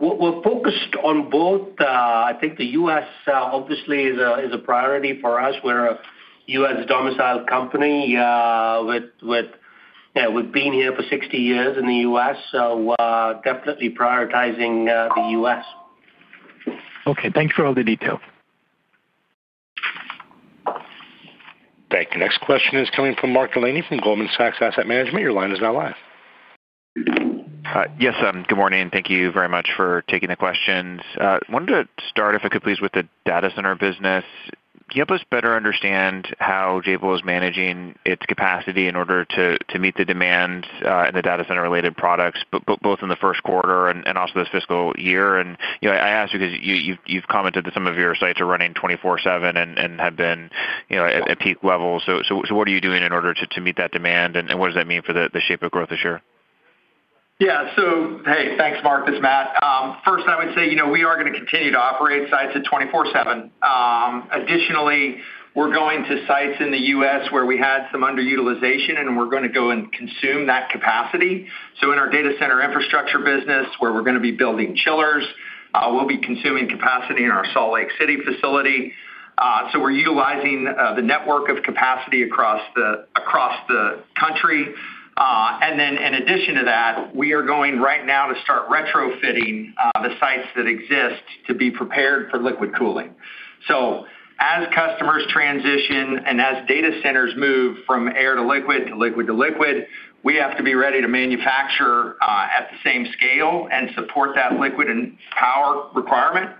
We're focused on both. I think the U.S. obviously is a priority for us. We're a U.S.-domiciled company. We've been here for 60 years in the U.S., so definitely prioritizing the U.S.
Okay, thanks for all the detail.
Thank you. Next question is coming from Mark Delaney from Goldman Sachs. Your line is now live.
Yes, good morning. Thank you very much for taking the questions. I wanted to start, if I could please, with the data center business. Can you help us better understand how Jabil is managing its capacity in order to meet the demand in the data center-related products, both in the first quarter and also this fiscal year? I ask because you've commented that some of your sites are running 24/7 and have been at peak levels. What are you doing in order to meet that demand? What does that mean for the shape of growth this year?
Yeah, so hey, thanks, Mark. It's Matt. First, I would say, you know, we are going to continue to operate sites at 24/7. Additionally, we're going to sites in the U.S. where we had some underutilization, and we're going to go and consume that capacity. In our data center infrastructure business, where we're going to be building chillers, we'll be consuming capacity in our Salt Lake City facility. We're utilizing the network of capacity across the country. In addition to that, we are going right now to start retrofitting the sites that exist to be prepared for liquid cooling. As customers transition and as data centers move from air to liquid to liquid to liquid, we have to be ready to manufacture at the same scale and support that liquid and power requirement.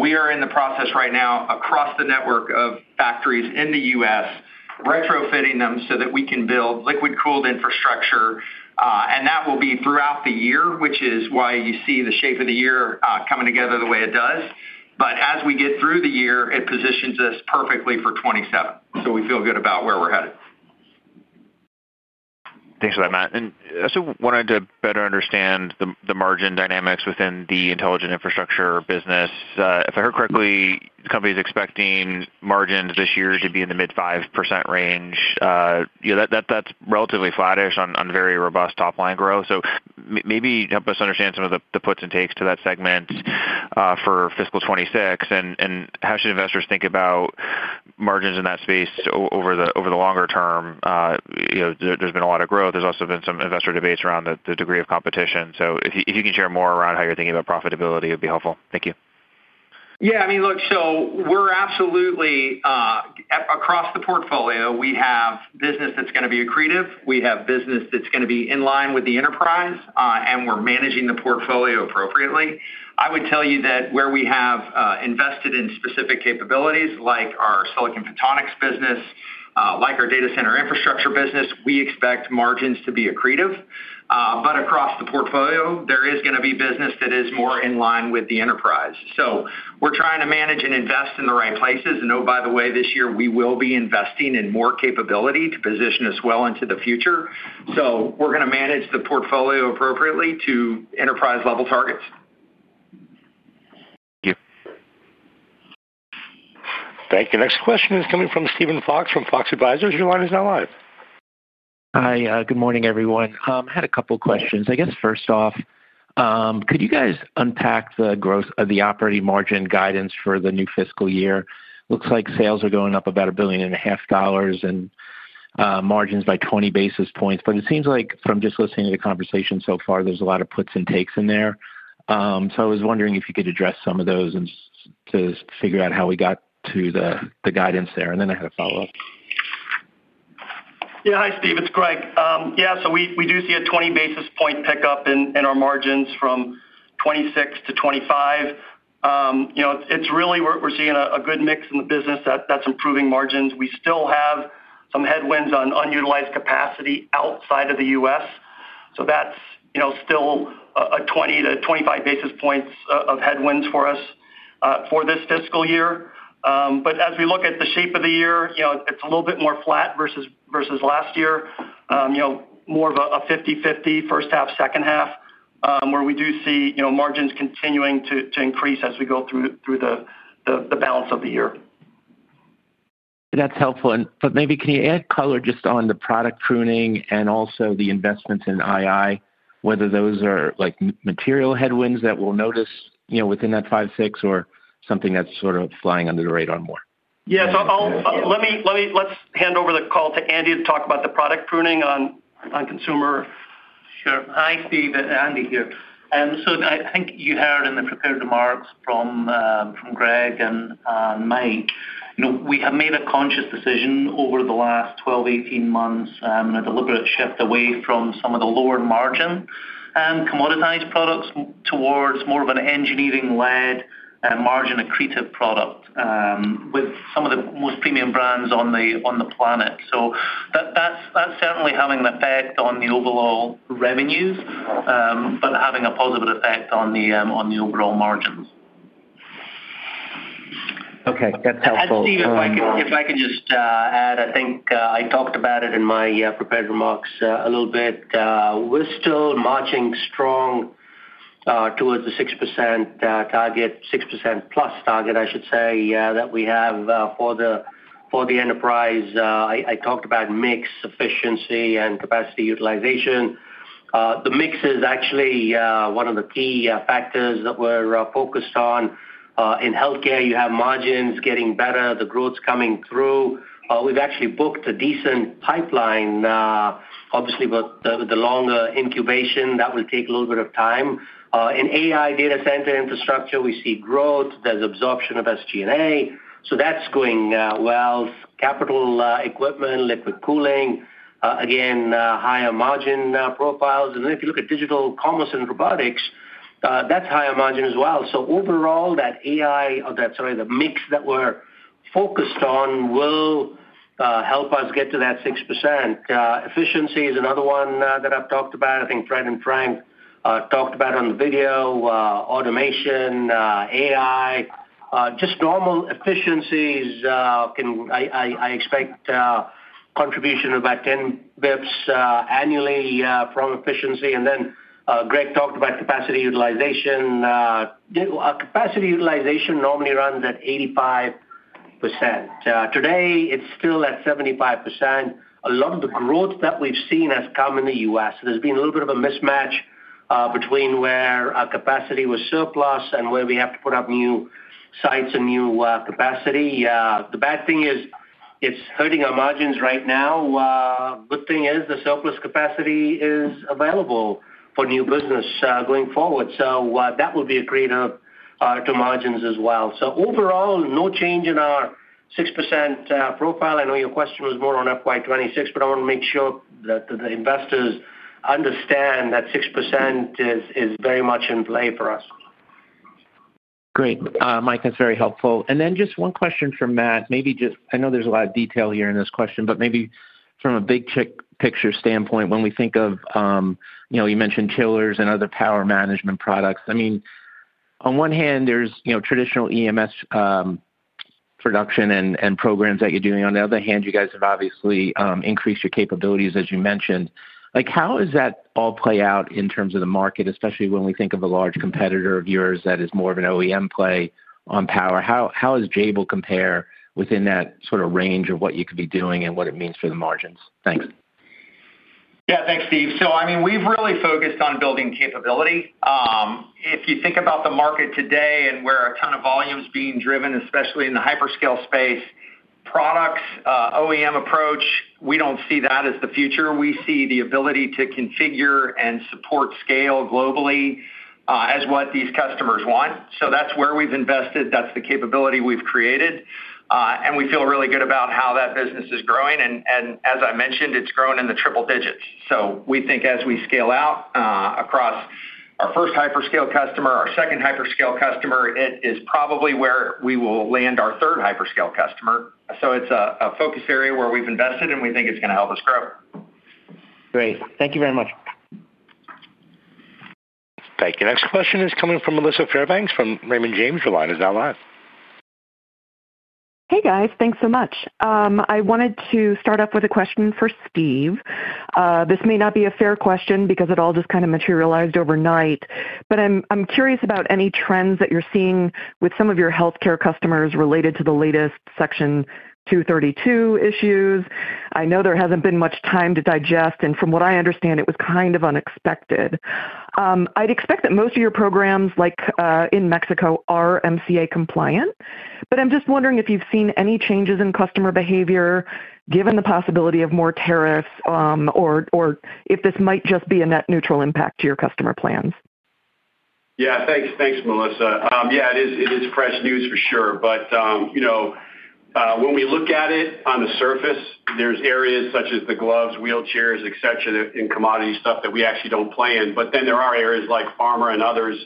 We are in the process right now across the network of factories in the U.S., retrofitting them so that we can build liquid-cooled infrastructure. That will be throughout the year, which is why you see the shape of the year coming together the way it does. As we get through the year, it positions us perfectly for 2027. We feel good about where we're headed.
Thanks for that, Matt. I also wanted to better understand the margin dynamics within the Intelligent Infrastructure business. If I heard correctly, the company is expecting margins this year to be in the mid-5% range. That's relatively flattish on very robust top-line growth. Maybe help us understand some of the puts and takes to that segment for fiscal 2026. How should investors think about margins in that space over the longer term? There's been a lot of growth. There's also been some investor debates around the degree of competition. If you can share more around how you're thinking about profitability, it would be helpful. Thank you.
Yeah, I mean, look, we're absolutely across the portfolio, we have business that's going to be accretive. We have business that's going to be in line with the enterprise, and we're managing the portfolio appropriately. I would tell you that where we have invested in specific capabilities, like our silicon photonics business, like our data center infrastructure business, we expect margins to be accretive. Across the portfolio, there is going to be business that is more in line with the enterprise. We're trying to manage and invest in the right places. By the way, this year we will be investing in more capability to position us well into the future. We're going to manage the portfolio appropriately to enterprise-level targets.
Thank you. Next question is coming from Steven Fox from Fox Advisors. Your line is now live.
Hi, good morning everyone. I had a couple of questions. I guess first off, could you guys unpack the growth of the operating margin guidance for the new fiscal year? It looks like sales are going up about $1.5 billion and margins by 20 basis points. It seems like from just listening to the conversation so far, there's a lot of puts and takes. There. I was wondering if you could address some of those to figure out how we got to the guidance there. I had a follow-up.
Yeah. Hi, Steve. It's Greg. We do see a 20 basis point pickup in our margins from 26 to 25. It's really we're seeing a good mix in the business that's improving margins. We still have some headwinds on unutilized capacity outside of the U.S. That's still a 20-25 basis points of headwinds for us for this fiscal year. As we look at the shape of the year, it's a little bit more flat versus last year, more of a 50/50 first half, second half, where we do see margins continuing to increase as we go through the balance of the year.
That's helpful. Maybe can you add color just on the product pruning and also the investments in AI, whether those are like material headwinds that we'll notice within that 5, 6, or something that's sort of flying under the radar more?
Let me hand over the call to Andy to talk about the product pruning on consumer.
Hi, Steve. Andy here. I think you heard in the prepared remarks from Greg and Mike, we have made a conscious decision over the last 12-18 months in a deliberate shift away from some of the lower margin, commoditized products towards more of an engineering-led, margin-accretive product, with some of the most premium brands on the planet. That is certainly having an effect on the overall revenues, but having a positive effect on the overall margins.
Okay, that's helpful.
Andy, if I can just add, I think I talked about it in my prepared remarks a little bit. We're still marching strong towards the 6% target, 6% plus target, I should say, that we have for the enterprise. I talked about mix, efficiency, and capacity utilization. The mix is actually one of the key factors that we're focused on. In healthcare, you have margins getting better. The growth's coming through. We've actually booked a decent pipeline, obviously, but the longer incubation will take a little bit of time. In AI data center infrastructure, we see growth. There's absorption of SG&A. That's going well. Capital equipment, liquid cooling, again, higher margin profiles. If you look at digital commerce and robotics, that's higher margin as well. Overall, the mix that we're focused on will help us get to that 6%. Efficiency is another one that I've talked about. I think Fred and Frank talked about on the video, automation, AI, just normal efficiencies. I expect contribution of about 10 bps annually from efficiency. Greg talked about capacity utilization. Our capacity utilization normally runs at 85%. Today, it's still at 75%. A lot of the growth that we've seen has come in the U.S. There's been a little bit of a mismatch between where capacity was surplus and where we have to put up new sites and new capacity. The bad thing is it's hurting our margins right now. The good thing is the surplus capacity is available for new business going forward. That will be a cleanup to margins as well. Overall, no change in our 6% profile. I know your question was more on FY 2026, but I want to make sure that the investors understand that 6% is very much in play for us.
Great. Mike, that's very helpful. Then just one question for Matt. Maybe just, I know there's a lot of detail here in this question, but maybe from a big picture standpoint, when we think of, you know, you mentioned chillers and other power management products. I mean, on one hand, there's, you know, traditional EMS, production and programs that you're doing. On the other hand, you guys have obviously increased your capabilities, as you mentioned. How does that all play out in terms of the market, especially when we think of a large competitor of yours that is more of an OEM play on power? How does Jabil compare within that sort of range of what you could be doing and what it means for the margins? Thanks.
Yeah. Thanks, Steve. We've really focused on building capability. If you think about the market today and where a ton of volume is being driven, especially in the hyperscale space, products, OEM approach, we don't see that as the future. We see the ability to configure and support scale globally as what these customers want. That's where we've invested. That's the capability we've created, and we feel really good about how that business is growing. As I mentioned, it's grown in the triple digits. We think as we scale out across our first hyperscale customer, our second hyperscale customer, it is probably where we will land our third hyperscale customer. It's a focus area where we've invested and we think it's going to help us grow.
Great, thank you very much.
Thank you. Next question is coming from Melissa Fairbanks from Raymond James. Your line is now live.
Hey, guys. Thanks so much. I wanted to start off with a question for Steve. This may not be a fair question because it all just kind of materialized overnight, but I'm curious about any trends that you're seeing with some of your healthcare customers related to the latest Section 232 issues. I know there hasn't been much time to digest, and from what I understand, it was kind of unexpected. I'd expect that most of your programs, like in Mexico, are MCA compliant, but I'm just wondering if you've seen any changes in customer behavior given the possibility of more tariffs, or if this might just be a net neutral impact to your customer plans.
Yeah. Thanks. Thanks, Melissa. It is fresh news for sure. When we look at it on the surface, there's areas such as the gloves, wheelchairs, etc., in commodity stuff that we actually don't play in. There are areas like pharma and others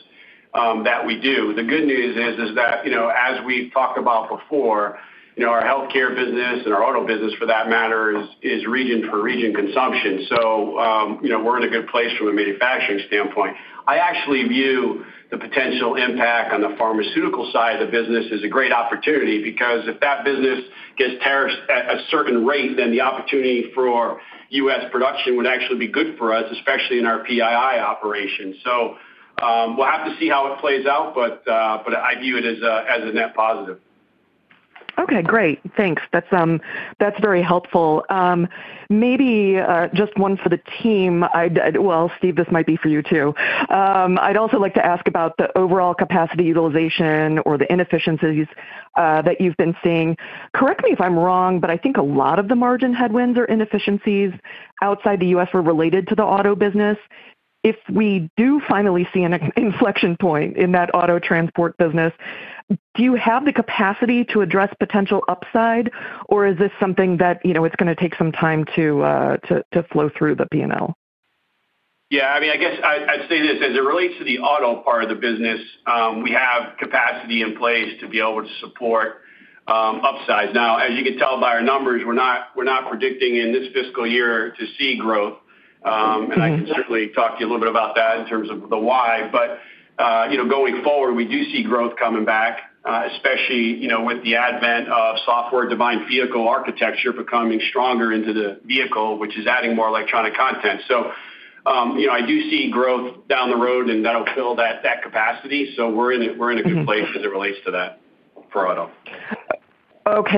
that we do. The good news is that, as we've talked about before, our healthcare business and our auto business, for that matter, is region for region consumption. We're in a good place from a manufacturing standpoint. I actually view the potential impact on the pharmaceutical side of the business as a great opportunity because if that business gets tariffs at a certain rate, then the opportunity for U.S. production would actually be good for us, especially in our Pii operations. We'll have to see how it plays out, but I view it as a net positive.
Okay. Great. Thanks. That's very helpful. Maybe, just one for the team. Steve, this might be for you too. I'd also like to ask about the overall capacity utilization or the inefficiencies that you've been seeing. Correct me if I'm wrong, but I think a lot of the margin headwinds or inefficiencies outside the U.S. were related to the auto business. If we do finally see an inflection point in that auto transport business, do you have the capacity to address potential upside, or is this something that, you know, it's going to take some time to flow through the P&L?
Yeah. I mean, I guess I'd say this. As it relates to the auto part of the business, we have capacity in place to be able to support upsides. Now, as you can tell by our numbers, we're not predicting in this fiscal year to see growth. I can certainly talk to you a little bit about that in terms of the why. You know, going forward, we do see growth coming back, especially with the advent of software-defined vehicle architecture becoming stronger into the vehicle, which is adding more electronic content. You know, I do see growth down the road, and that will fill that capacity. We're in a good place as it relates to that for auto.
Okay.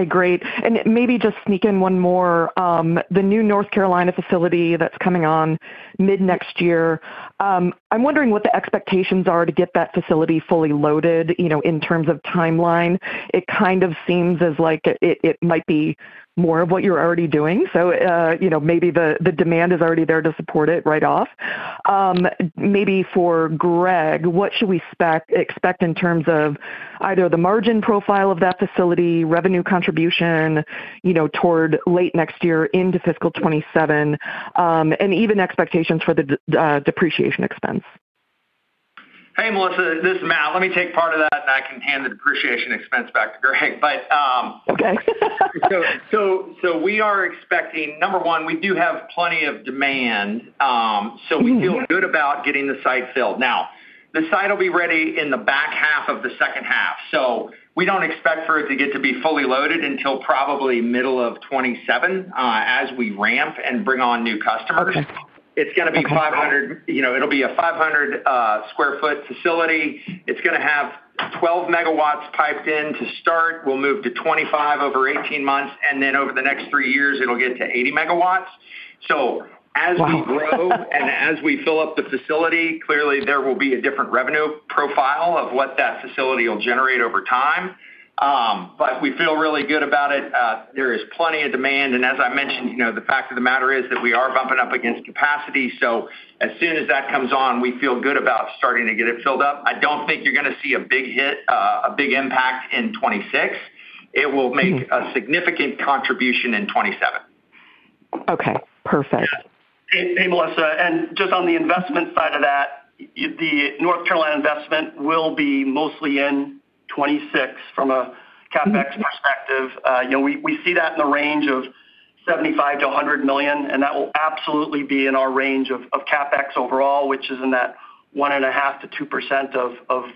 Great. Maybe just sneak in one more. The new North Carolina facility that's coming on mid next year, I'm wondering what the expectations are to get that facility fully loaded, you know, in terms of timeline. It kind of seems like it might be more of what you're already doing. Maybe the demand is already there to support it right off. Maybe for Greg, what should we expect in terms of either the margin profile of that facility, revenue contribution toward late next year into fiscal 2027, and even expectations for the depreciation expense?
Hey, Melissa. This is Matt. Let me take part of that, and I can hand the depreciation expense back to Greg.
Okay.
We are expecting, number one, we do have plenty of demand. We feel good about getting the site filled. The site will be ready in the back half of the second half. We don't expect for it to get to be fully loaded until probably middle of 2027, as we ramp and bring on new customers. It is going to be a 500,000 sq ft facility. It is going to have 12 MW piped in to start. We will move to 25 over 18 months. Over the next three years, it will get to 80 MW. As we grow and as we fill up the facility, clearly, there will be a different revenue profile of what that facility will generate over time. We feel really good about it. There is plenty of demand. The fact of the matter is that we are bumping up against capacity. As soon as that comes on, we feel good about starting to get it filled up. I don't think you're going to see a big hit, a big impact in 2026. It will make a significant contribution in 2027.
Okay. Perfect.
Hey, hey, Melissa. Just on the investment side of that, the North Carolina investment will be mostly in 2026 from a CapEx perspective. We see that in the range of $75 million-$100 million, and that will absolutely be in our range of CapEx overall, which is in that 1.5%-2% of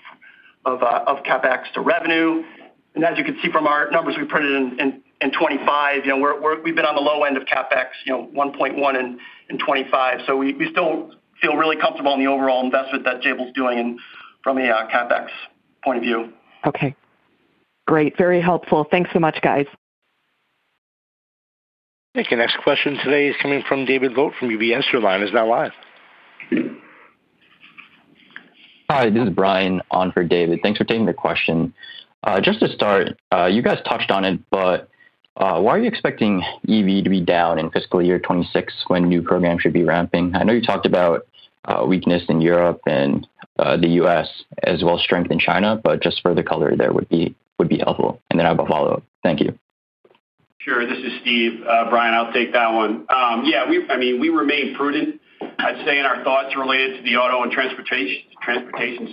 CapEx to revenue. As you can see from our numbers we printed in 2025, we've been on the low end of CapEx, 1.1% in 2025. We still feel really comfortable in the overall investment that Jabil's doing from a CapEx point of view.
Okay. Great. Very helpful. Thanks so much, guys.
Okay. Next question today is coming from David Vogt from UBS. Your line is now live. Hi. This is Brian on for David. Thanks for taking the question. To start, you guys touched on it, but why are you expecting EV to be down in fiscal year 2026 when new programs should be ramping? I know you talked about weakness in Europe and the U.S. as well as strength in China, but further color there would be helpful. I have a follow-up. Thank you.
Sure. We remain prudent, I'd say, in our thoughts related to the auto and transportation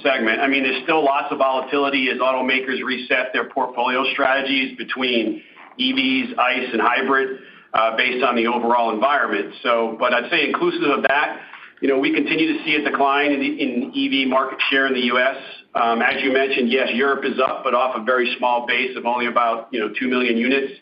segment. There's still lots of volatility as automakers reset their portfolio strategies between EVs, ICE, and hybrid, based on the overall environment. I'd say inclusive of that, we continue to see a decline in the EV market share in the U.S. As you mentioned, yes, Europe is up, but off a very small base of only about 2 million units.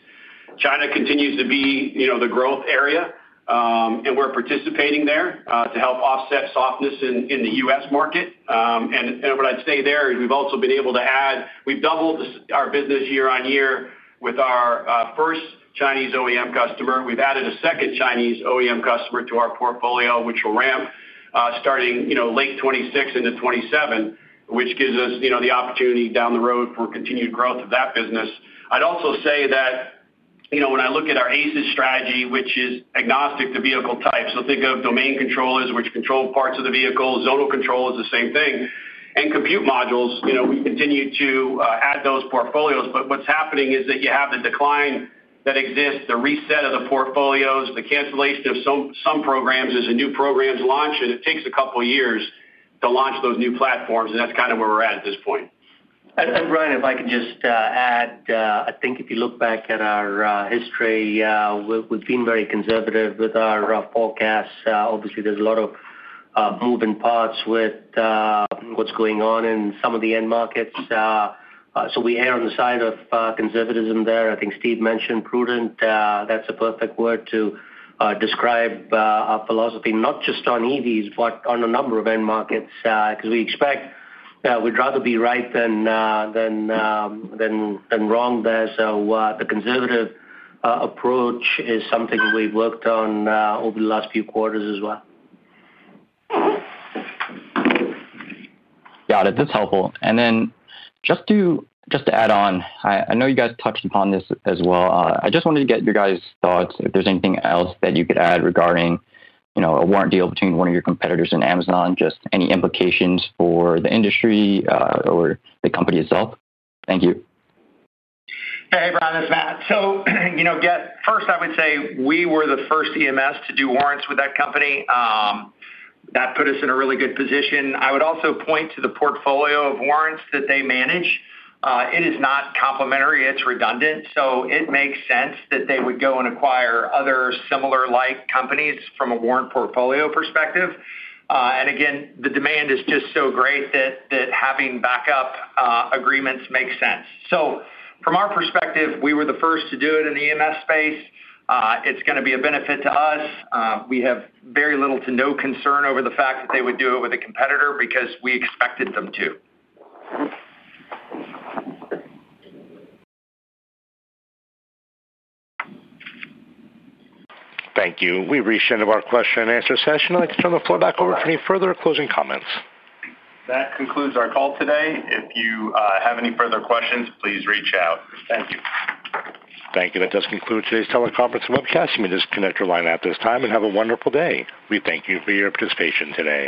China continues to be the growth area, and we're participating there to help offset softness in the U.S. market. What I'd say there is we've also been able to add—we've doubled our business year on year with our first Chinese OEM customer. We've added a second Chinese OEM customer to our portfolio, which will ramp starting late 2026 into 2027, which gives us the opportunity down the road for continued growth of that business. I'd also say that when I look at our ACES strategy, which is agnostic to vehicle types, so think of domain controllers, which control parts of the vehicle, zone of control is the same thing, and compute modules, we continue to add those portfolios. What's happening is that you have the decline that exists, the reset of the portfolios, the cancellation of some programs. There's a new program to launch, and it takes a couple of years to launch those new platforms. That's kind of where we're at at this point.
Brian, if I can just add, I think if you look back at our history, we've been very conservative with our forecasts. Obviously, there's a lot of moving parts with what's going on in some of the end markets, so we err on the side of conservatism there. I think Steve mentioned prudent. That's a perfect word to describe our philosophy not just on EVs, but on a number of end markets, because we expect we'd rather be right than wrong there. The conservative approach is something that we've worked on over the last few quarters as well. Got it. That's helpful. I know you guys touched upon this as well. I just wanted to get your guys' thoughts if there's anything else that you could add regarding, you know, a warrant deal between one of your competitors and Amazon, just any implications for the industry, or the company itself. Thank you.
Hey, hey, Brian. This is Matt. First, I would say we were the first EMS to do warrants with that company. That put us in a really good position. I would also point to the portfolio of warrants that they manage. It is not complimentary. It's redundant. It makes sense that they would go and acquire other similar-like companies from a warrant portfolio perspective. Again, the demand is just so great that having backup agreements makes sense. From our perspective, we were the first to do it in the EMS space. It's going to be a benefit to us. We have very little to no concern over the fact that they would do it with a competitor because we expected them to.
Thank you. We rescheduled our question and answer session. I'd like to turn the floor back over for any further closing comments.
That concludes our call today. If you have any further questions, please reach out. Thank you.
Thank you. That does conclude today's teleconference webcast. You may disconnect your line at this time and have a wonderful day. We thank you for your participation today.